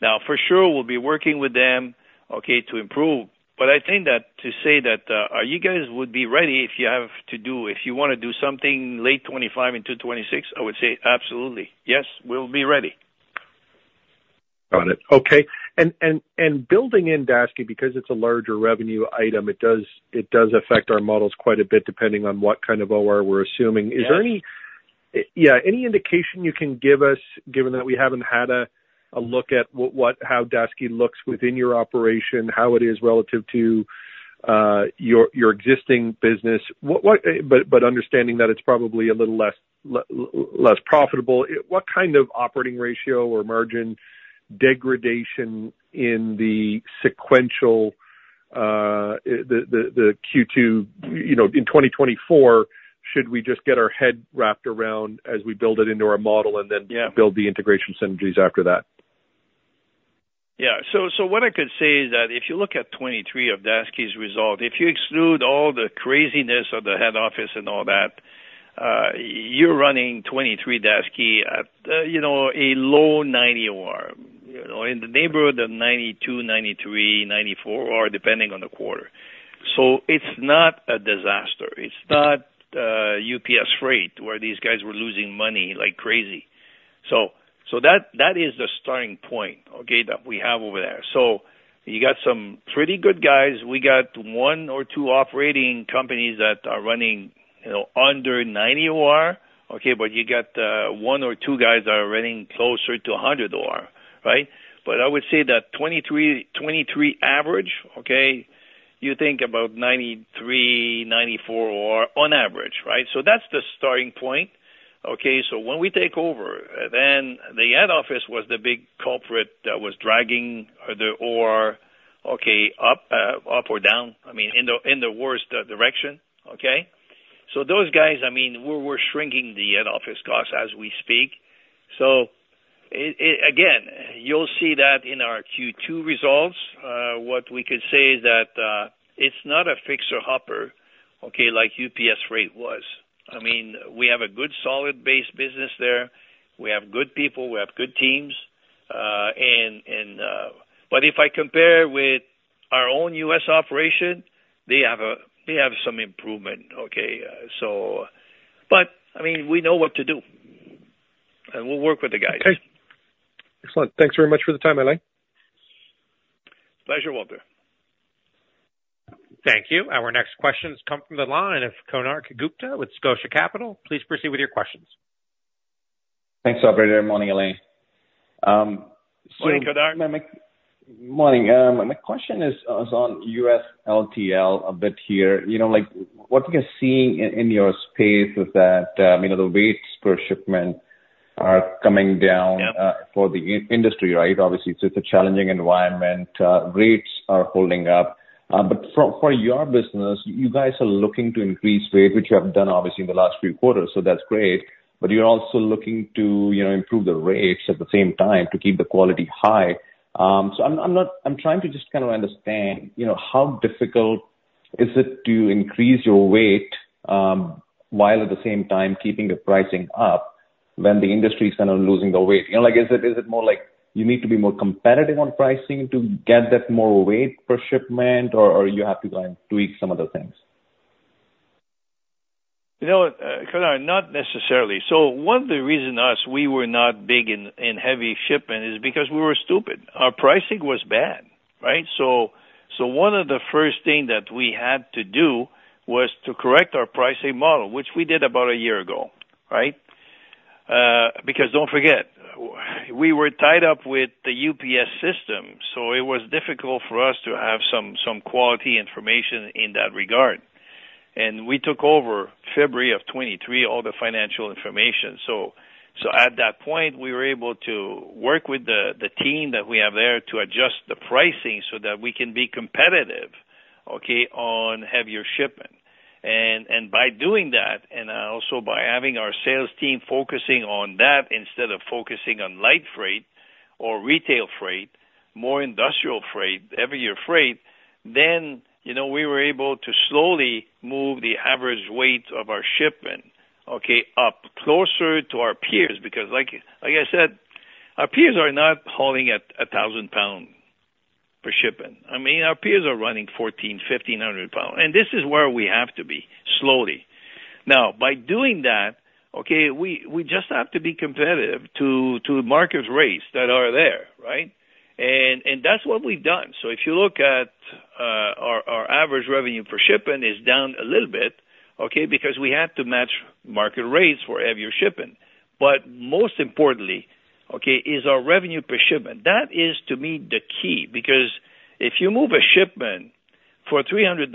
Now, for sure, we'll be working with them, okay, to improve. But I think that to say that, "Are you guys would be ready if you have to do if you want to do something late 2025 into 2026?" I would say absolutely. Yes, we'll be ready. Got it. Okay. And building in Daseke, because it's a larger revenue item, it does affect our models quite a bit depending on what kind of OR we're assuming. Is there any, yeah, any indication you can give us given that we haven't had a look at how Daseke looks within your operation, how it is relative to your existing business, but understanding that it's probably a little less profitable, what kind of operating ratio or margin degradation in the sequential the Q2 in 2024, should we just get our head wrapped around as we build it into our model and then build the integration synergies after that? Yeah. So what I could say is that if you look at 2023 of Daseke's result, if you exclude all the craziness of the head office and all that, you're running 2023 Daseke at a low 90 OR in the neighborhood of 92, 93, 94 OR depending on the quarter. So it's not a disaster. It's not UPS Freight where these guys were losing money like crazy. So that is the starting point, okay, that we have over there. So you got some pretty good guys. We got one or two operating companies that are running under 90 OR, okay, but you got one or two guys that are running closer to 100 OR, right? But I would say that 2023 average, okay, you think about 93, 94 OR on average, right? So that's the starting point, okay? So when we take over, then the head office was the big corporate that was dragging the OR, okay, up or down, I mean, in the worst direction, okay? So those guys, I mean, we're shrinking the head office costs as we speak. So again, you'll see that in our Q2 results. What we could say is that it's not a fixer-upper, okay, like UPS freight was. I mean, we have a good solid-based business there. We have good people. We have good teams. But if I compare with our own US operation, they have some improvement, okay? But I mean, we know what to do, and we'll work with the guys. Okay. Excellent. Thanks very much for the time, Alain. Pleasure, Walter. Thank you. Our next questions come from the line of Konark Gupta with Scotia Capital. Please proceed with your questions. Thanks, Alberto. Good morning, Alain. So. Morning, Konark. Morning. My question is on US LTL a bit here. What you're seeing in your space is that the weights per shipment are coming down for the industry, right? Obviously, it's a challenging environment. Rates are holding up. But for your business, you guys are looking to increase weight, which you have done, obviously, in the last few quarters, so that's great. But you're also looking to improve the rates at the same time to keep the quality high. So I'm trying to just kind of understand, how difficult is it to increase your weight while at the same time keeping the pricing up when the industry is kind of losing the weight? Is it more like you need to be more competitive on pricing to get that more weight per shipment, or you have to kind of tweak some other things? Konark, not necessarily. So one of the reasons we were not big in heavy shipment is because we were stupid. Our pricing was bad, right? So one of the first things that we had to do was to correct our pricing model, which we did about a year ago, right? Because don't forget, we were tied up with the UPS system, so it was difficult for us to have some quality information in that regard. And we took over February of 2023, all the financial information. So at that point, we were able to work with the team that we have there to adjust the pricing so that we can be competitive, okay, on heavier shipment. And by doing that, and also by having our sales team focusing on that instead of focusing on light freight or retail freight, more industrial freight, heavier freight, then we were able to slowly move the average weight of our shipment, okay, up closer to our peers because, like I said, our peers are not hauling 1,000 pounds per shipment. I mean, our peers are running 1,400, 1,500 pounds. And this is where we have to be, slowly. Now, by doing that, okay, we just have to be competitive to market rates that are there, right? And that's what we've done. So if you look at our average revenue per shipment, it's down a little bit, okay, because we had to match market rates for heavier shipment. But most importantly, okay, is our revenue per shipment. That is, to me, the key because if you move a shipment for $300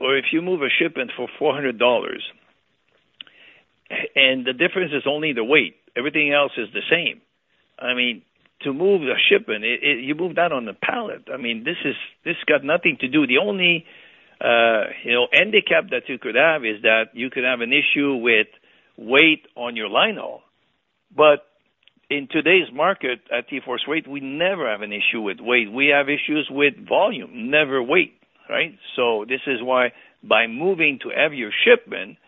or if you move a shipment for $400, and the difference is only the weight, everything else is the same. I mean, to move the shipment, you move that on the pallet. I mean, this got nothing to do. The only handicap that you could have is that you could have an issue with weight on your linehaul. But in today's market at TForce Freight, we never have an issue with weight. We have issues with volume, never weight, right? So this is why by moving to heavier shipment,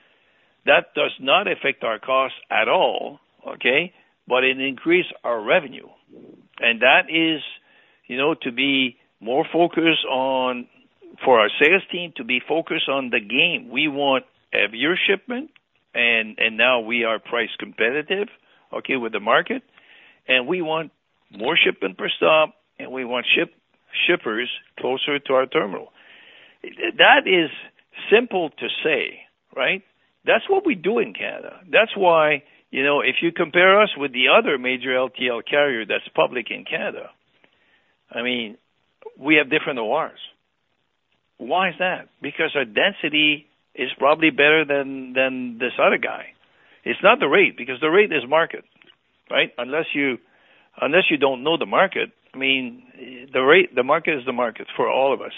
that does not affect our costs at all, okay, but it increases our revenue. And that is to be more focused on for our sales team to be focused on the game. We want heavier shipment, and now we are price competitive, okay, with the market. We want more shipment per stop, and we want shippers closer to our terminal. That is simple to say, right? That's what we do in Canada. That's why if you compare us with the other major LTL carrier that's public in Canada, I mean, we have different ORs. Why is that? Because our density is probably better than this other guy. It's not the rate because the rate is market, right? Unless you don't know the market, I mean, the market is the market for all of us.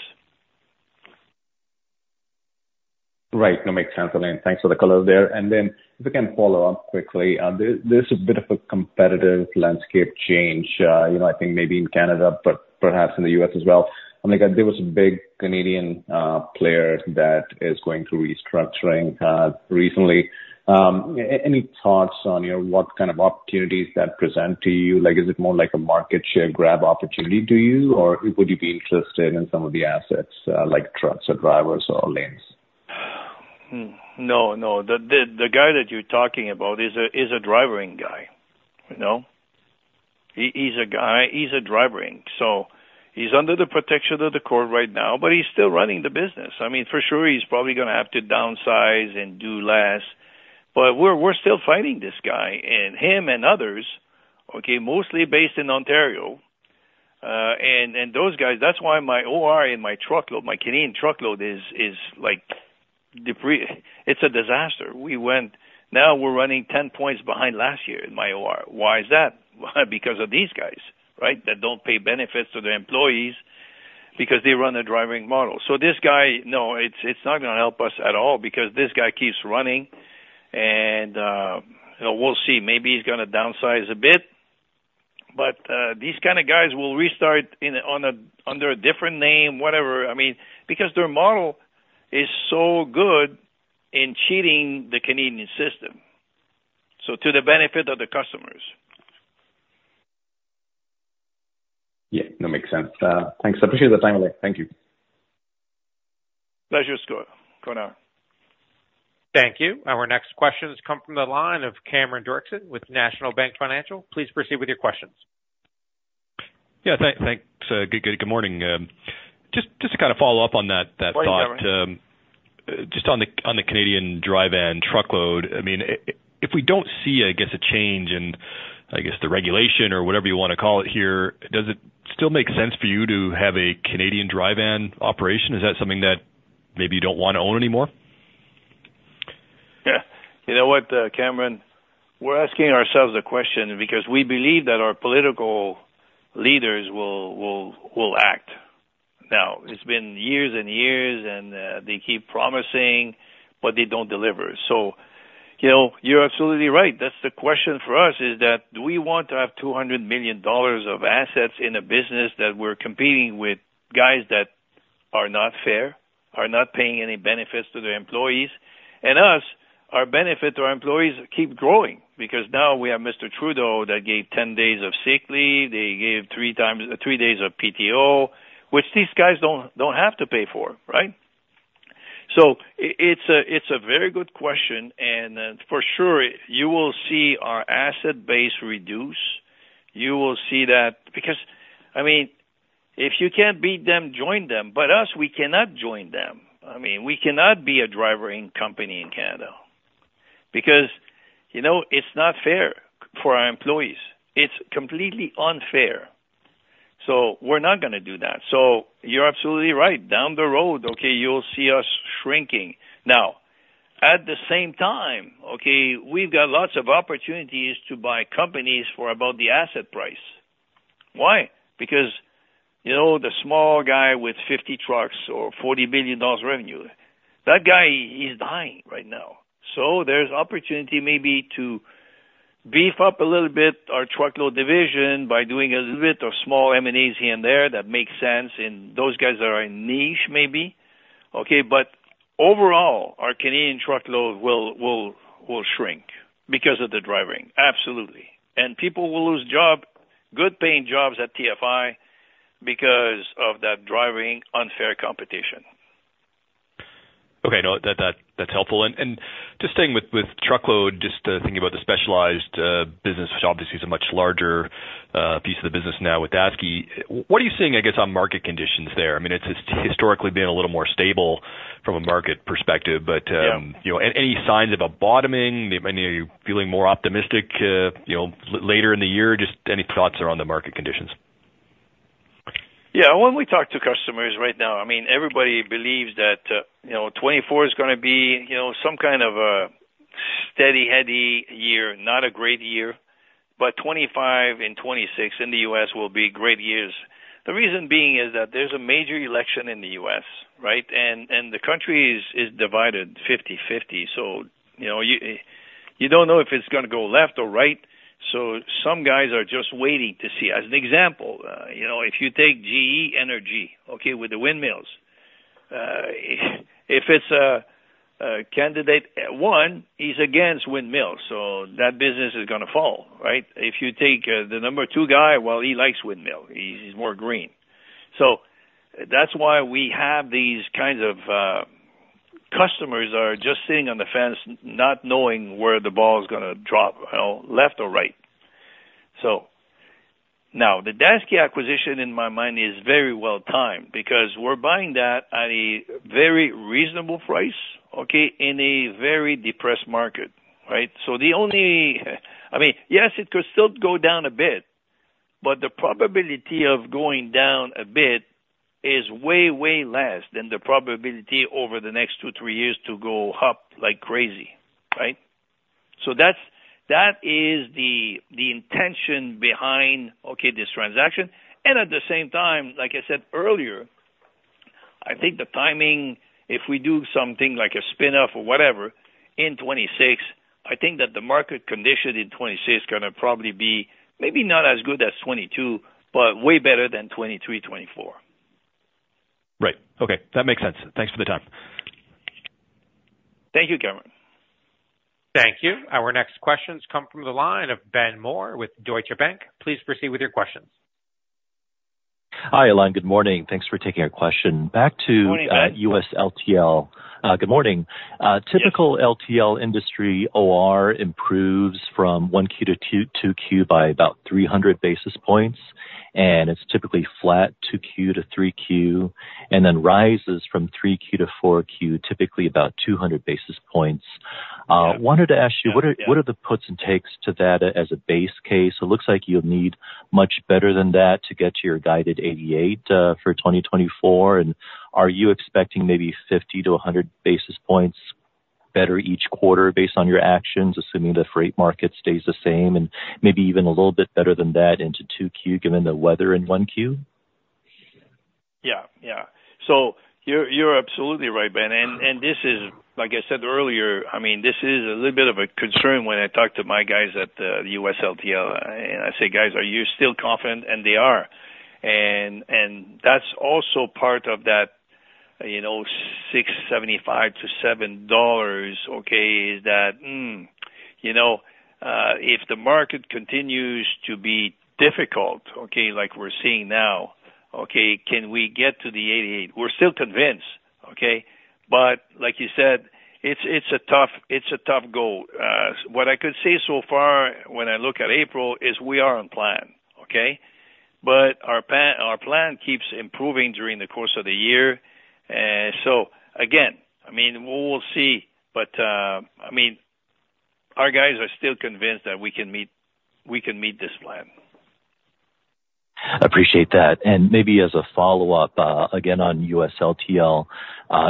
Right. That makes sense, Alain. Thanks for the colors there. And then if we can follow up quickly, there's a bit of a competitive landscape change, I think, maybe in Canada, but perhaps in the U.S. as well. I mean, there was a big Canadian player that is going through restructuring recently. Any thoughts on what kind of opportunities that present to you? Is it more like a market share grab opportunity to you, or would you be interested in some of the assets like trucks or drivers or lanes? No, no. The guy that you're talking about is a Driver Inc. guy. He's Driver Inc. So he's under the protection of the court right now, but he's still running the business. I mean, for sure, he's probably going to have to downsize and do less. But we're still fighting this guy, him and others, okay, mostly based in Ontario. And those guys, that's why my OR in my truckload, my Canadian truckload, is like it's a disaster. Now, we're running 10 points behind last year in my OR. Why is that? Because of these guys, right, that don't pay benefits to their employees because they run a Driver Inc. model. So this guy, no, it's not going to help us at all because this guy keeps running. And we'll see. Maybe he's going to downsize a bit. But these kind of guys will restart under a different name, whatever, I mean, because their model is so good in cheating the Canadian system, so to the benefit of the customers. Yeah. That makes sense. Thanks. I appreciate the time, Alain. Thank you. Pleasure, Konark. Thank you. Our next questions come from the line of Cameron Doerksen with National Bank Financial. Please proceed with your questions. Yeah. Thanks. Good morning. Just to kind of follow up on that thought, just on the Canadian Driver Inc. truckload, I mean, if we don't see, I guess, a change in, I guess, the regulation or whatever you want to call it here, does it still make sense for you to have a Canadian Driver Inc. operation? Is that something that maybe you don't want to own anymore? Yeah. You know what, Cameron? We're asking ourselves the question because we believe that our political leaders will act. Now, it's been years and years, and they keep promising, but they don't deliver. So you're absolutely right. That's the question for us, is that do we want to have $200 million of assets in a business that we're competing with guys that are not fair, are not paying any benefits to their employees? And us, our benefit to our employees keeps growing because now we have Mr. Trudeau that gave 10 days of sick leave. They gave 3 days of PTO, which these guys don't have to pay for, right? So it's a very good question. And for sure, you will see our asset base reduce. You will see that because, I mean, if you can't beat them, join them. But us, we cannot join them. I mean, we cannot be a Driver Inc. company in Canada because it's not fair for our employees. It's completely unfair. So we're not going to do that. So you're absolutely right. Down the road, okay, you'll see us shrinking. Now, at the same time, okay, we've got lots of opportunities to buy companies for about the asset price. Why? Because the small guy with 50 trucks or $40 billion revenue, that guy, he's dying right now. So there's opportunity maybe to beef up a little bit our truckload division by doing a little bit of small M&As here and there that makes sense in those guys that are in niche, maybe, okay? But overall, our Canadian truckload will shrink because of the Driver Inc., absolutely. And people will lose jobs, good-paying jobs at TFI, because of that Driver Inc. unfair competition. Okay. No, that's helpful. And just staying with truckload, just thinking about the specialized business, which obviously is a much larger piece of the business now with Daseke, what are you seeing, I guess, on market conditions there? I mean, it's historically been a little more stable from a market perspective, but any signs of a bottoming? I mean, are you feeling more optimistic later in the year? Just any thoughts around the market conditions? Yeah. When we talk to customers right now, I mean, everybody believes that 2024 is going to be some kind of a steady, heady year, not a great year. But 2025 and 2026 in the US will be great years. The reason being is that there's a major election in the US, right? And the country is divided 50/50. So you don't know if it's going to go left or right. So some guys are just waiting to see. As an example, if you take GE Energy, okay, with the windmills, if it's a candidate, one, he's against windmills. So that business is going to fall, right? If you take the number two guy, well, he likes windmill. He's more green. So that's why we have these kinds of customers that are just sitting on the fence, not knowing where the ball's going to drop, left or right. So now, the Daseke acquisition, in my mind, is very well timed because we're buying that at a very reasonable price, okay, in a very depressed market, right? So the only I mean, yes, it could still go down a bit, but the probability of going down a bit is way, way less than the probability over the next two, three years to go up like crazy, right? So that is the intention behind, okay, this transaction. And at the same time, like I said earlier, I think the timing, if we do something like a spinoff or whatever in 2026, I think that the market condition in 2026 is going to probably be maybe not as good as 2022, but way better than 2023, 2024. Right. Okay. That makes sense. Thanks for the time. Thank you, Cameron. Thank you. Our next questions come from the line of Ben Mohr with Deutsche Bank. Please proceed with your questions. Hi, Alain. Good morning. Thanks for taking our question. Back to US LTL. Good morning. Typical LTL industry OR improves from 1Q to 2Q by about 300 basis points, and it's typically flat 2Q to 3Q and then rises from 3Q to 4Q, typically about 200 basis points. Wanted to ask you, what are the puts and takes to that as a base case? It looks like you'll need much better than that to get to your guided 88 for 2024. And are you expecting maybe 50-100 basis points better each quarter based on your actions, assuming the freight market stays the same, and maybe even a little bit better than that into 2Q given the weather in 1Q? Yeah. Yeah. So you're absolutely right, Ben. And this is, like I said earlier, I mean, this is a little bit of a concern when I talk to my guys at the US LTL. And I say, "Guys, are you still confident?" And they are. And that's also part of that $675-$7, okay, is that if the market continues to be difficult, okay, like we're seeing now, okay, can we get to the 88? We're still convinced, okay? But like you said, it's a tough goal. What I could say so far when I look at April is we are on plan, okay? But our plan keeps improving during the course of the year. And so again, I mean, we'll see. But I mean, our guys are still convinced that we can meet this plan. Appreciate that. Maybe as a follow-up, again, on US LTL,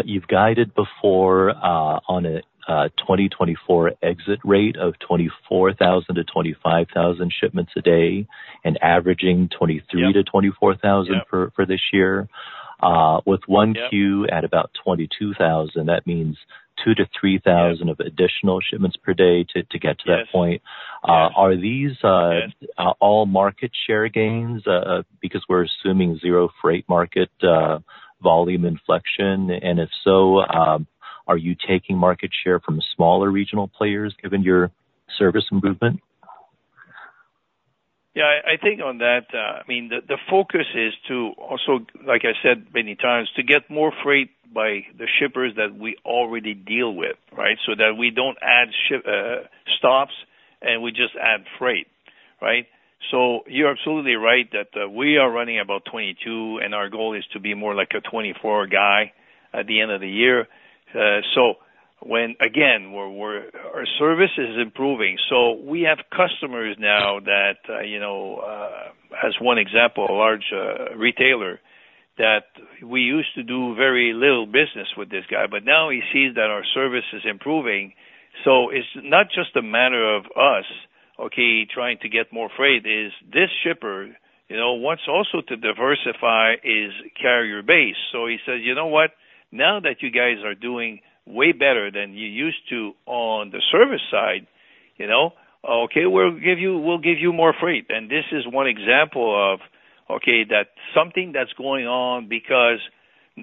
you've guided before on a 2024 exit rate of 24,000 to 25,000 shipments a day and averaging 23,000 to 24,000 for this year. With 1Q at about 22,000, that means 2,000 to 3,000 additional shipments per day to get to that point. Are these all market share gains because we're assuming zero freight market volume inflection? And if so, are you taking market share from smaller regional players given your service improvement? Yeah. I think on that, I mean, the focus is to also, like I said many times, to get more freight by the shippers that we already deal with, right, so that we don't add stops and we just add freight, right? So you're absolutely right that we are running about 22, and our goal is to be more like a 24 guy at the end of the year. So again, our service is improving. So we have customers now that, as one example, a large retailer that we used to do very little business with this guy, but now he sees that our service is improving. So it's not just a matter of us, okay, trying to get more freight. It's this shipper, wants also to diversify his carrier base. So he says, "You know what? Now that you guys are doing way better than you used to on the service side, okay, we'll give you more freight." And this is one example of, okay, that something that's going on because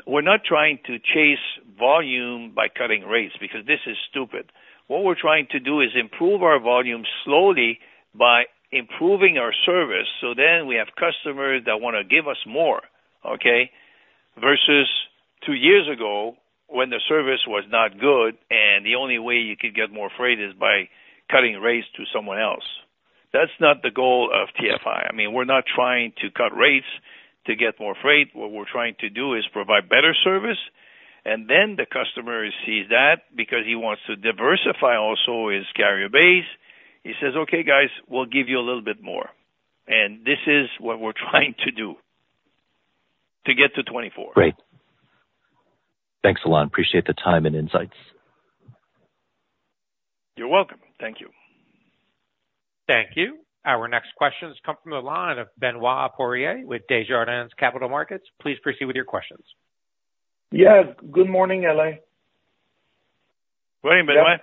we're not trying to chase volume by cutting rates because this is stupid. What we're trying to do is improve our volume slowly by improving our service. So then we have customers that want to give us more, okay, versus two years ago when the service was not good, and the only way you could get more freight is by cutting rates to someone else. That's not the goal of TFI. I mean, we're not trying to cut rates to get more freight. What we're trying to do is provide better service. And then the customer sees that because he wants to diversify also his carrier base. He says, "Okay, guys, we'll give you a little bit more." This is what we're trying to do to get to 2024. Great. Thanks, Alain. Appreciate the time and insights. You're welcome. Thank you. Thank you. Our next questions come from the line of Benoit Poirier with Desjardins Capital Markets. Please proceed with your questions. Yeah. Good morning, Alain. Morning, Benoit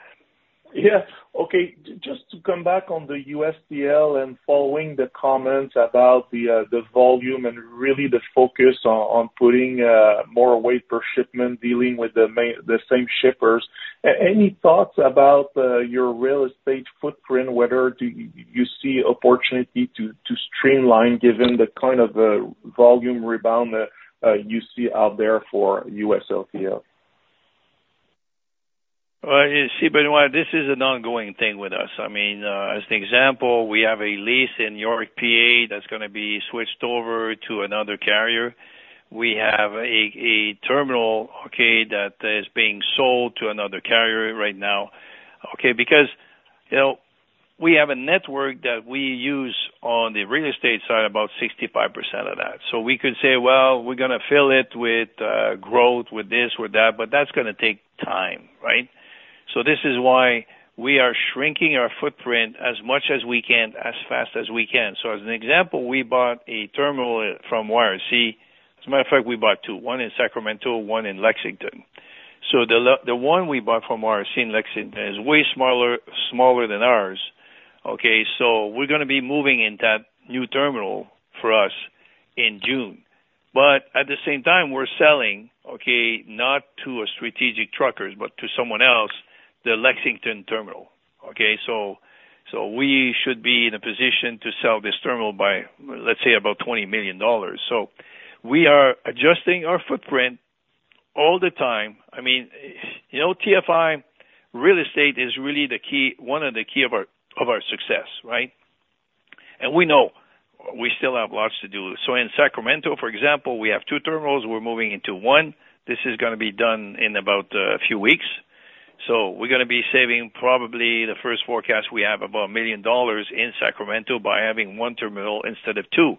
Poirier. Yeah. Okay. Just to come back on the US LTL and following the comments about the volume and really the focus on putting more weight per shipment, dealing with the same shippers, any thoughts about your real estate footprint, whether you see opportunity to streamline given the kind of volume rebound you see out there for US LTL? Well, you see, Benoit, this is an ongoing thing with us. I mean, as an example, we have a lease in York, PA that's going to be switched over to another carrier. We have a terminal, okay, that is being sold to another carrier right now, okay, because we have a network that we use on the real estate side, about 65% of that. So we could say, "Well, we're going to fill it with growth, with this, with that," but that's going to take time, right? So this is why we are shrinking our footprint as much as we can, as fast as we can. So as an example, we bought a terminal from YRC. As a matter of fact, we bought two, one in Sacramento, one in Lexington. So the one we bought from YRC in Lexington is way smaller than ours, okay? So we're going to be moving in that new terminal for us in June. But at the same time, we're selling, okay, not to a strategic trucker, but to someone else, the Lexington terminal, okay? So we should be in a position to sell this terminal by, let's say, about $20 million. So we are adjusting our footprint all the time. I mean, TFI real estate is really one of the key of our success, right? And we know we still have lots to do. So in Sacramento, for example, we have two terminals. We're moving into one. This is going to be done in about a few weeks. So we're going to be saving probably the first forecast we have about $1 million in Sacramento by having one terminal instead of two.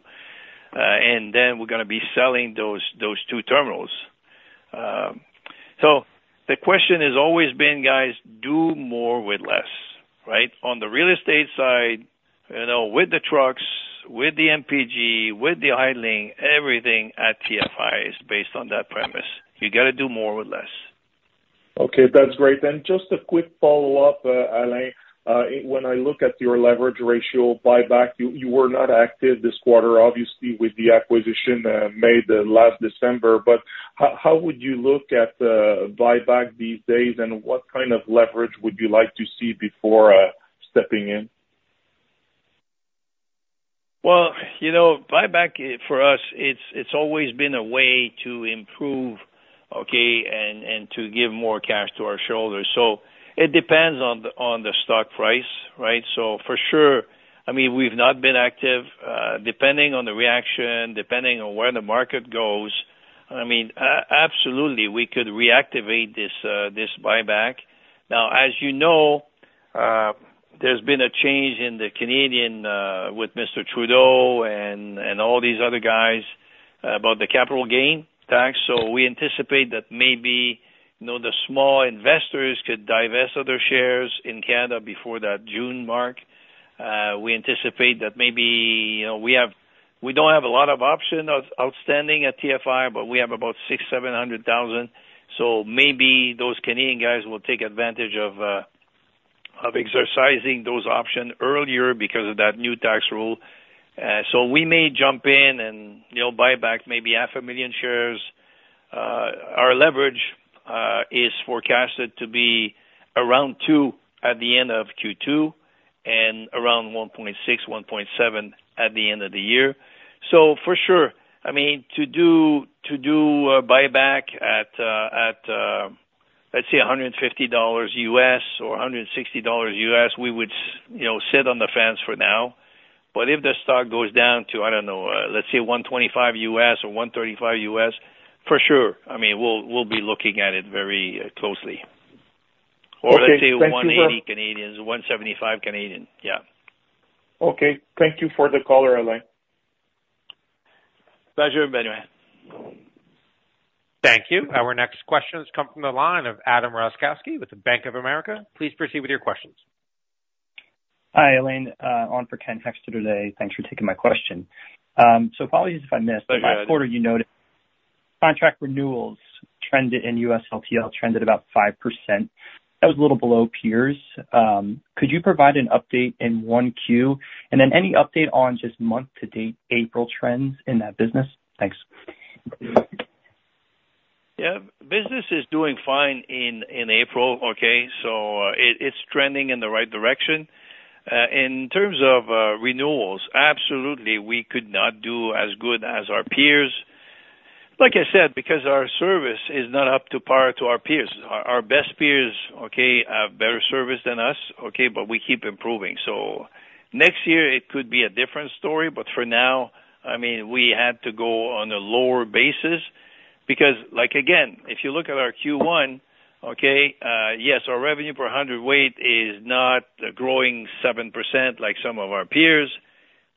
And then we're going to be selling those two terminals. So the question has always been, "Guys, do more with less," right? On the real estate side, with the trucks, with the MPG, with the idling, everything at TFI is based on that premise. You got to do more with less. Okay. That's great, Ben. Just a quick follow-up, Alain. When I look at your leverage ratio, buyback, you were not active this quarter, obviously, with the acquisition made last December. But how would you look at buyback these days, and what kind of leverage would you like to see before stepping in? Well, buyback for us, it's always been a way to improve, okay, and to give more cash to our shareholders. So it depends on the stock price, right? So for sure, I mean, we've not been active. Depending on the reaction, depending on where the market goes, I mean, absolutely, we could reactivate this buyback. Now, as you know, there's been a change in the Canadian with Mr. Trudeau and all these other guys about the capital gain tax. So we anticipate that maybe the small investors could divest other shares in Canada before that June mark. We anticipate that maybe we don't have a lot of option outstanding at TFI, but we have about 600,000-700,000. So maybe those Canadian guys will take advantage of exercising those options earlier because of that new tax rule. So we may jump in and buy back maybe 500,000 shares. Our leverage is forecasted to be around 2 at the end of Q2 and around 1.6, 1.7 at the end of the year. So for sure, I mean, to do buyback at, let's say, $150 or $160, we would sit on the fence for now. But if the stock goes down to, I don't know, let's say, $125 or $135, for sure, I mean, we'll be looking at it very closely. Or let's say 180, 175. Yeah. Okay. Thank you for thecolor, Alain. Pleasure, Benoit. Thank you. Our next questions come from the line of Adam Roszkowski with the Bank of America. Please proceed with your questions. Hi, Alain. On for Ken Hoexter today. Thanks for taking my question. So apologies if I missed. Last quarter, you noted contract renewals in U.S. LTL trended about 5%. That was a little below peers. Could you provide an update in 1Q and then any update on just month-to-date April trends in that business? Thanks. Yeah. Business is doing fine in April, okay? So it's trending in the right direction. In terms of renewals, absolutely, we could not do as good as our peers, like I said, because our service is not up to par to our peers. Our best peers, okay, have better service than us, okay, but we keep improving. So next year, it could be a different story. But for now, I mean, we had to go on a lower basis because, again, if you look at our Q1, okay, yes, our revenue per hundredweight is not growing 7% like some of our peers.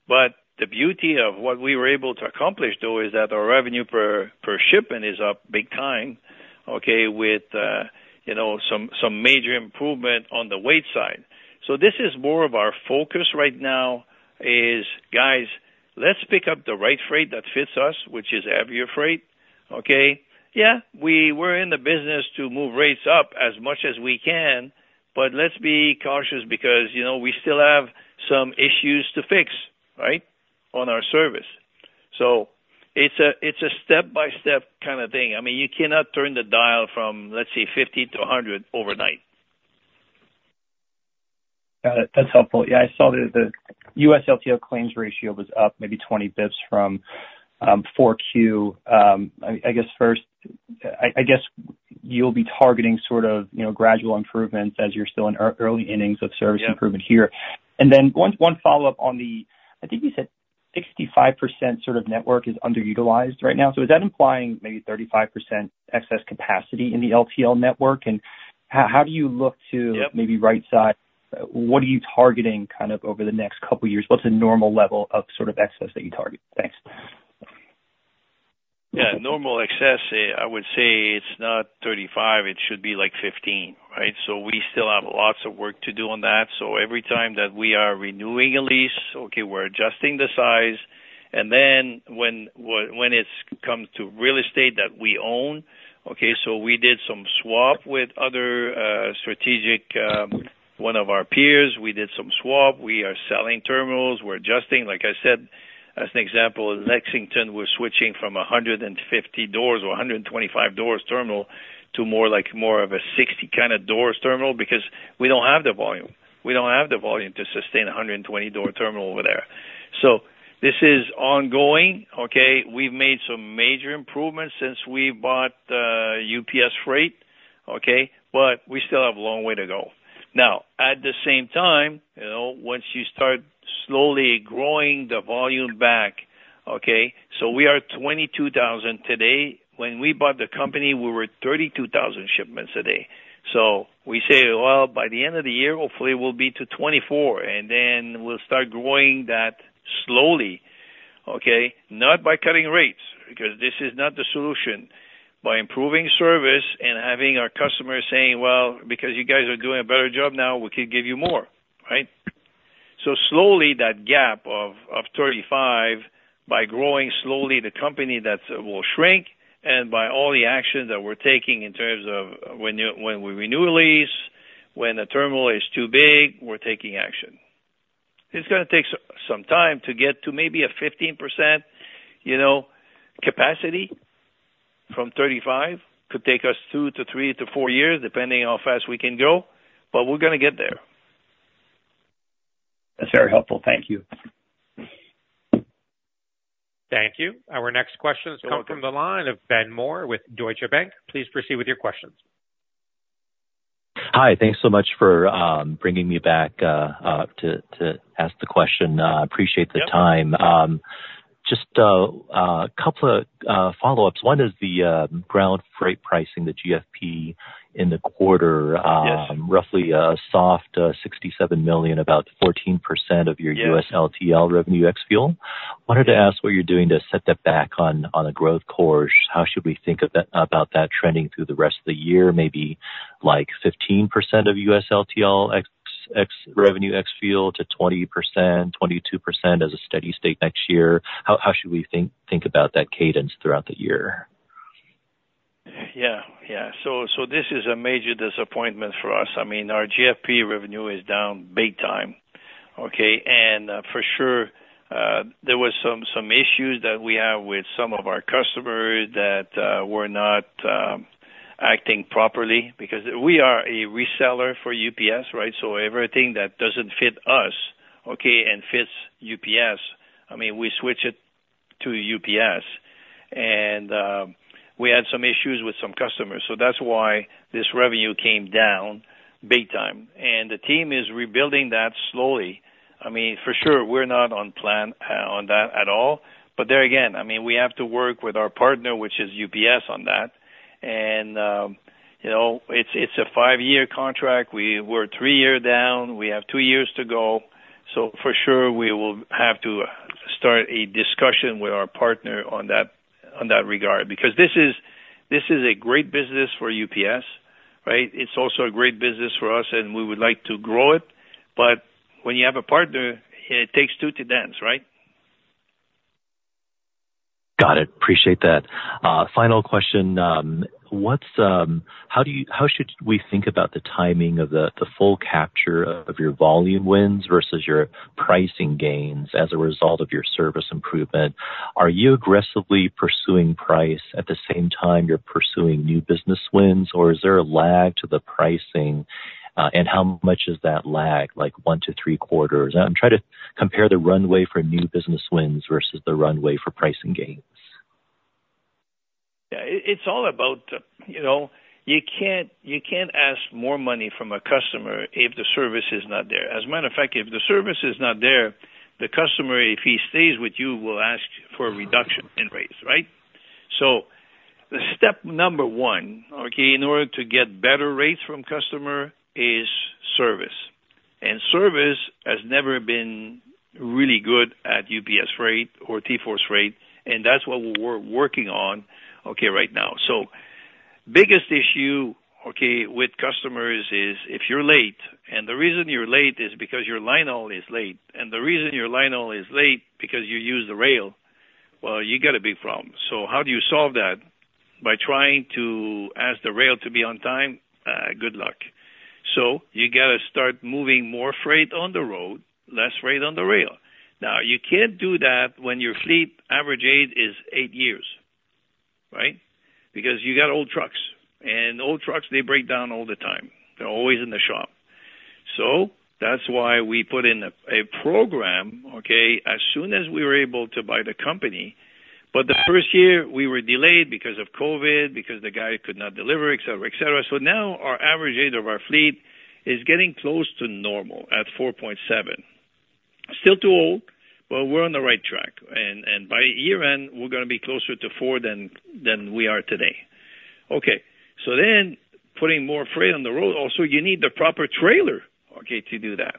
But the beauty of what we were able to accomplish, though, is that our revenue per shipment is up big time, okay, with some major improvement on the weight side. So this is more of our focus right now is, "Guys, let's pick up the right freight that fits us," which is heavier freight, okay? Yeah. We're in the business to move rates up as much as we can, but let's be cautious because we still have some issues to fix, right, on our service. So it's a step-by-step kind of thing. I mean, you cannot turn the dial from, let's say, 50-100 overnight. Got it. That's helpful. Yeah. I saw that the US LTL claims ratio was up maybe 20 basis points from 4Q. I guess first, I guess you'll be targeting sort of gradual improvements as you're still in early innings of service improvement here. And then one follow-up on the I think you said 65% sort of network is underutilized right now. So is that implying maybe 35% excess capacity in the LTL network? And how do you look to maybe right-size? What are you targeting kind of over the next couple of years? What's a normal level of sort of excess that you target? Thanks. Yeah. Normal excess, I would say it's not 35. It should be like 15, right? So we still have lots of work to do on that. So every time that we are renewing a lease, okay, we're adjusting the size. And then when it comes to real estate that we own, okay, so we did some swap with other strategic one of our peers. We did some swap. We are selling terminals. We're adjusting. Like I said, as an example, Lexington, we're switching from a 150-door or 125-door terminal to more of a 60 kind of doors terminal because we don't have the volume. We don't have the volume to sustain a 120-door terminal over there. So this is ongoing, okay? We've made some major improvements since we bought UPS Freight, okay, but we still have a long way to go. Now, at the same time, once you start slowly growing the volume back, okay, so we are 22,000 today. When we bought the company, we were 32,000 shipments a day. So we say, "Well, by the end of the year, hopefully, we'll be to 24," and then we'll start growing that slowly, okay, not by cutting rates because this is not the solution. By improving service and having our customers saying, "Well, because you guys are doing a better job now, we could give you more," right? So slowly, that gap of 35, by growing slowly, the company will shrink. And by all the actions that we're taking in terms of when we renew a lease, when the terminal is too big, we're taking action. It's going to take some time to get to maybe a 15% capacity from 35. Could take us two to three to four years, depending how fast we can go, but we're going to get there. That's very helpful. Thank you. Thank you. Our next questions come from the line of Ben Mohr with Deutsche Bank. Please proceed with your questions. Hi. Thanks so much for bringing me back to ask the question. Appreciate the time. Just a couple of follow-ups. One is the Ground Freight Pricing, the GFP, in the quarter, roughly a soft $67 million, about 14% of your US LTL revenue ex-fuel. Wanted to ask what you're doing to set that back on a growth course. How should we think about that trending through the rest of the year, maybe like 15% of US LTL revenue ex-fuel to 20%, 22% as a steady state next year? How should we think about that cadence throughout the year? Yeah. Yeah. So this is a major disappointment for us. I mean, our GFP revenue is down big time, okay? And for sure, there were some issues that we have with some of our customers that were not acting properly because we are a reseller for UPS, right? So everything that doesn't fit us, okay, and fits UPS, I mean, we switch it to UPS. And we had some issues with some customers. So that's why this revenue came down big time. And the team is rebuilding that slowly. I mean, for sure, we're not on plan on that at all. But there again, I mean, we have to work with our partner, which is UPS, on that. And it's a five-year contract. We're three years down. We have two years to go. So for sure, we will have to start a discussion with our partner on that regard because this is a great business for UPS, right? It's also a great business for us, and we would like to grow it. But when you have a partner, it takes two to dance, right? Got it. Appreciate that. Final question. How should we think about the timing of the full capture of your volume wins versus your pricing gains as a result of your service improvement? Are you aggressively pursuing price at the same time you're pursuing new business wins, or is there a lag to the pricing? And how much is that lag, like 1-3 quarters? I'm trying to compare the runway for new business wins versus the runway for pricing gains. Yeah. It's all about you can't ask more money from a customer if the service is not there. As a matter of fact, if the service is not there, the customer, if he stays with you, will ask for a reduction in rates, right? So step number one, okay, in order to get better rates from customer is service. And service has never been really good at UPS Freight or TForce Freight, and that's what we're working on, okay, right now. So biggest issue, okay, with customers is if you're late, and the reason you're late is because your linehaul is late. And the reason your linehaul is late is because you use the rail. Well, you got a big problem. So how do you solve that? By trying to ask the rail to be on time? Good luck. So you got to start moving more freight on the road, less freight on the rail. Now, you can't do that when your fleet average age is eight years, right, because you got old trucks. And old trucks, they break down all the time. They're always in the shop. So that's why we put in a program, okay, as soon as we were able to buy the company. But the first year, we were delayed because of COVID, because the guy could not deliver, etc., etc. So now our average age of our fleet is getting close to normal at 4.7. Still too old, but we're on the right track. And by year-end, we're going to be closer to 4 than we are today. Okay. So then putting more freight on the road, also, you need the proper trailer, okay, to do that,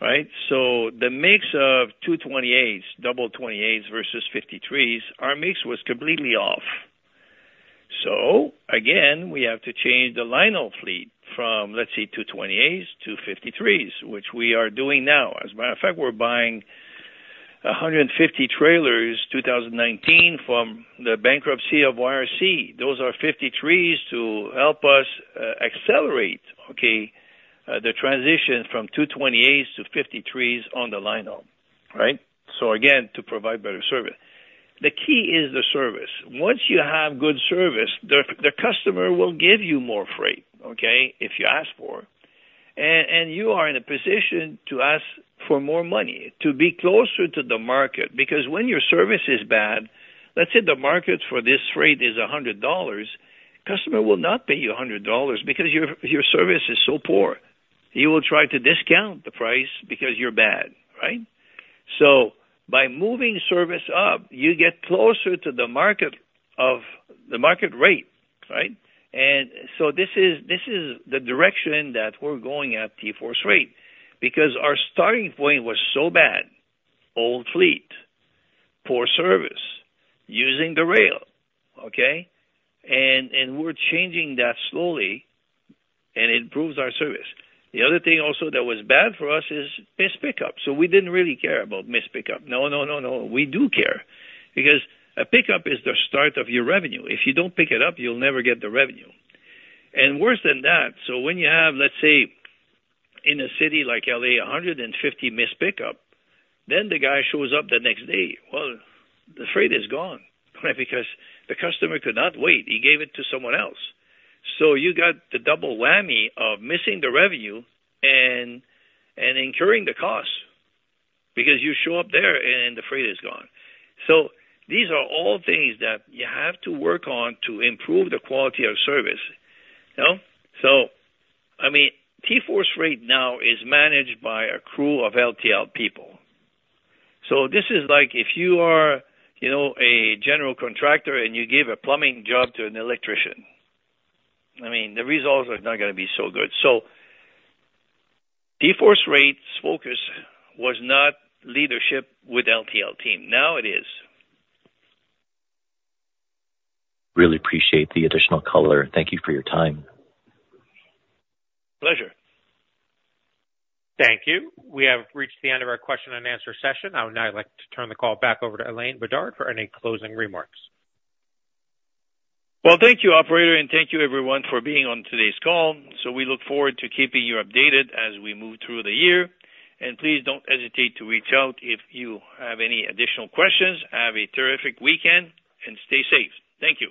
right? So the mix of 28s, double 28s versus 53s, our mix was completely off. So again, we have to change the linehaul fleet from, let's say, 28s to 53s, which we are doing now. As a matter of fact, we're buying 150 trailers in 2019 from the bankruptcy of YRC. Those are 53s to help us accelerate, okay, the transition from 28s to 53s on the linehaul, right, so again, to provide better service. The key is the service. Once you have good service, the customer will give you more freight, okay, if you ask for. And you are in a position to ask for more money, to be closer to the market because when your service is bad, let's say the market for this freight is $100, customer will not pay you $100 because your service is so poor. He will try to discount the price because you're bad, right? So by moving service up, you get closer to the market rate, right? And so this is the direction that we're going at TForce Freight because our starting point was so bad: old fleet, poor service, using the rail, okay? And we're changing that slowly, and it improves our service. The other thing also that was bad for us is missed pickup. So we didn't really care about missed pickup. No, no, no, no. We do care because a pickup is the start of your revenue. If you don't pick it up, you'll never get the revenue. And worse than that, so when you have, let's say, in a city like L.A., 150 missed pickup, then the guy shows up the next day. Well, the freight is gone, right, because the customer could not wait. He gave it to someone else. So you got the double whammy of missing the revenue and incurring the cost because you show up there and the freight is gone. So these are all things that you have to work on to improve the quality of service. So, I mean, TForce Freight now is managed by a crew of LTL people. So this is like if you are a general contractor and you give a plumbing job to an electrician. I mean, the results are not going to be so good. So TForce Freight's focus was not leadership with LTL team. Now it is. Really appreciate the additional color. Thank you for your time. Pleasure. Thank you. We have reached the end of our question-and-answer session. I would now like to turn the call back over to Alain Bédard for any closing remarks. Well, thank you, operator, and thank you, everyone, for being on today's call. So we look forward to keeping you updated as we move through the year. And please don't hesitate to reach out if you have any additional questions. Have a terrific weekend, and stay safe. Thank you.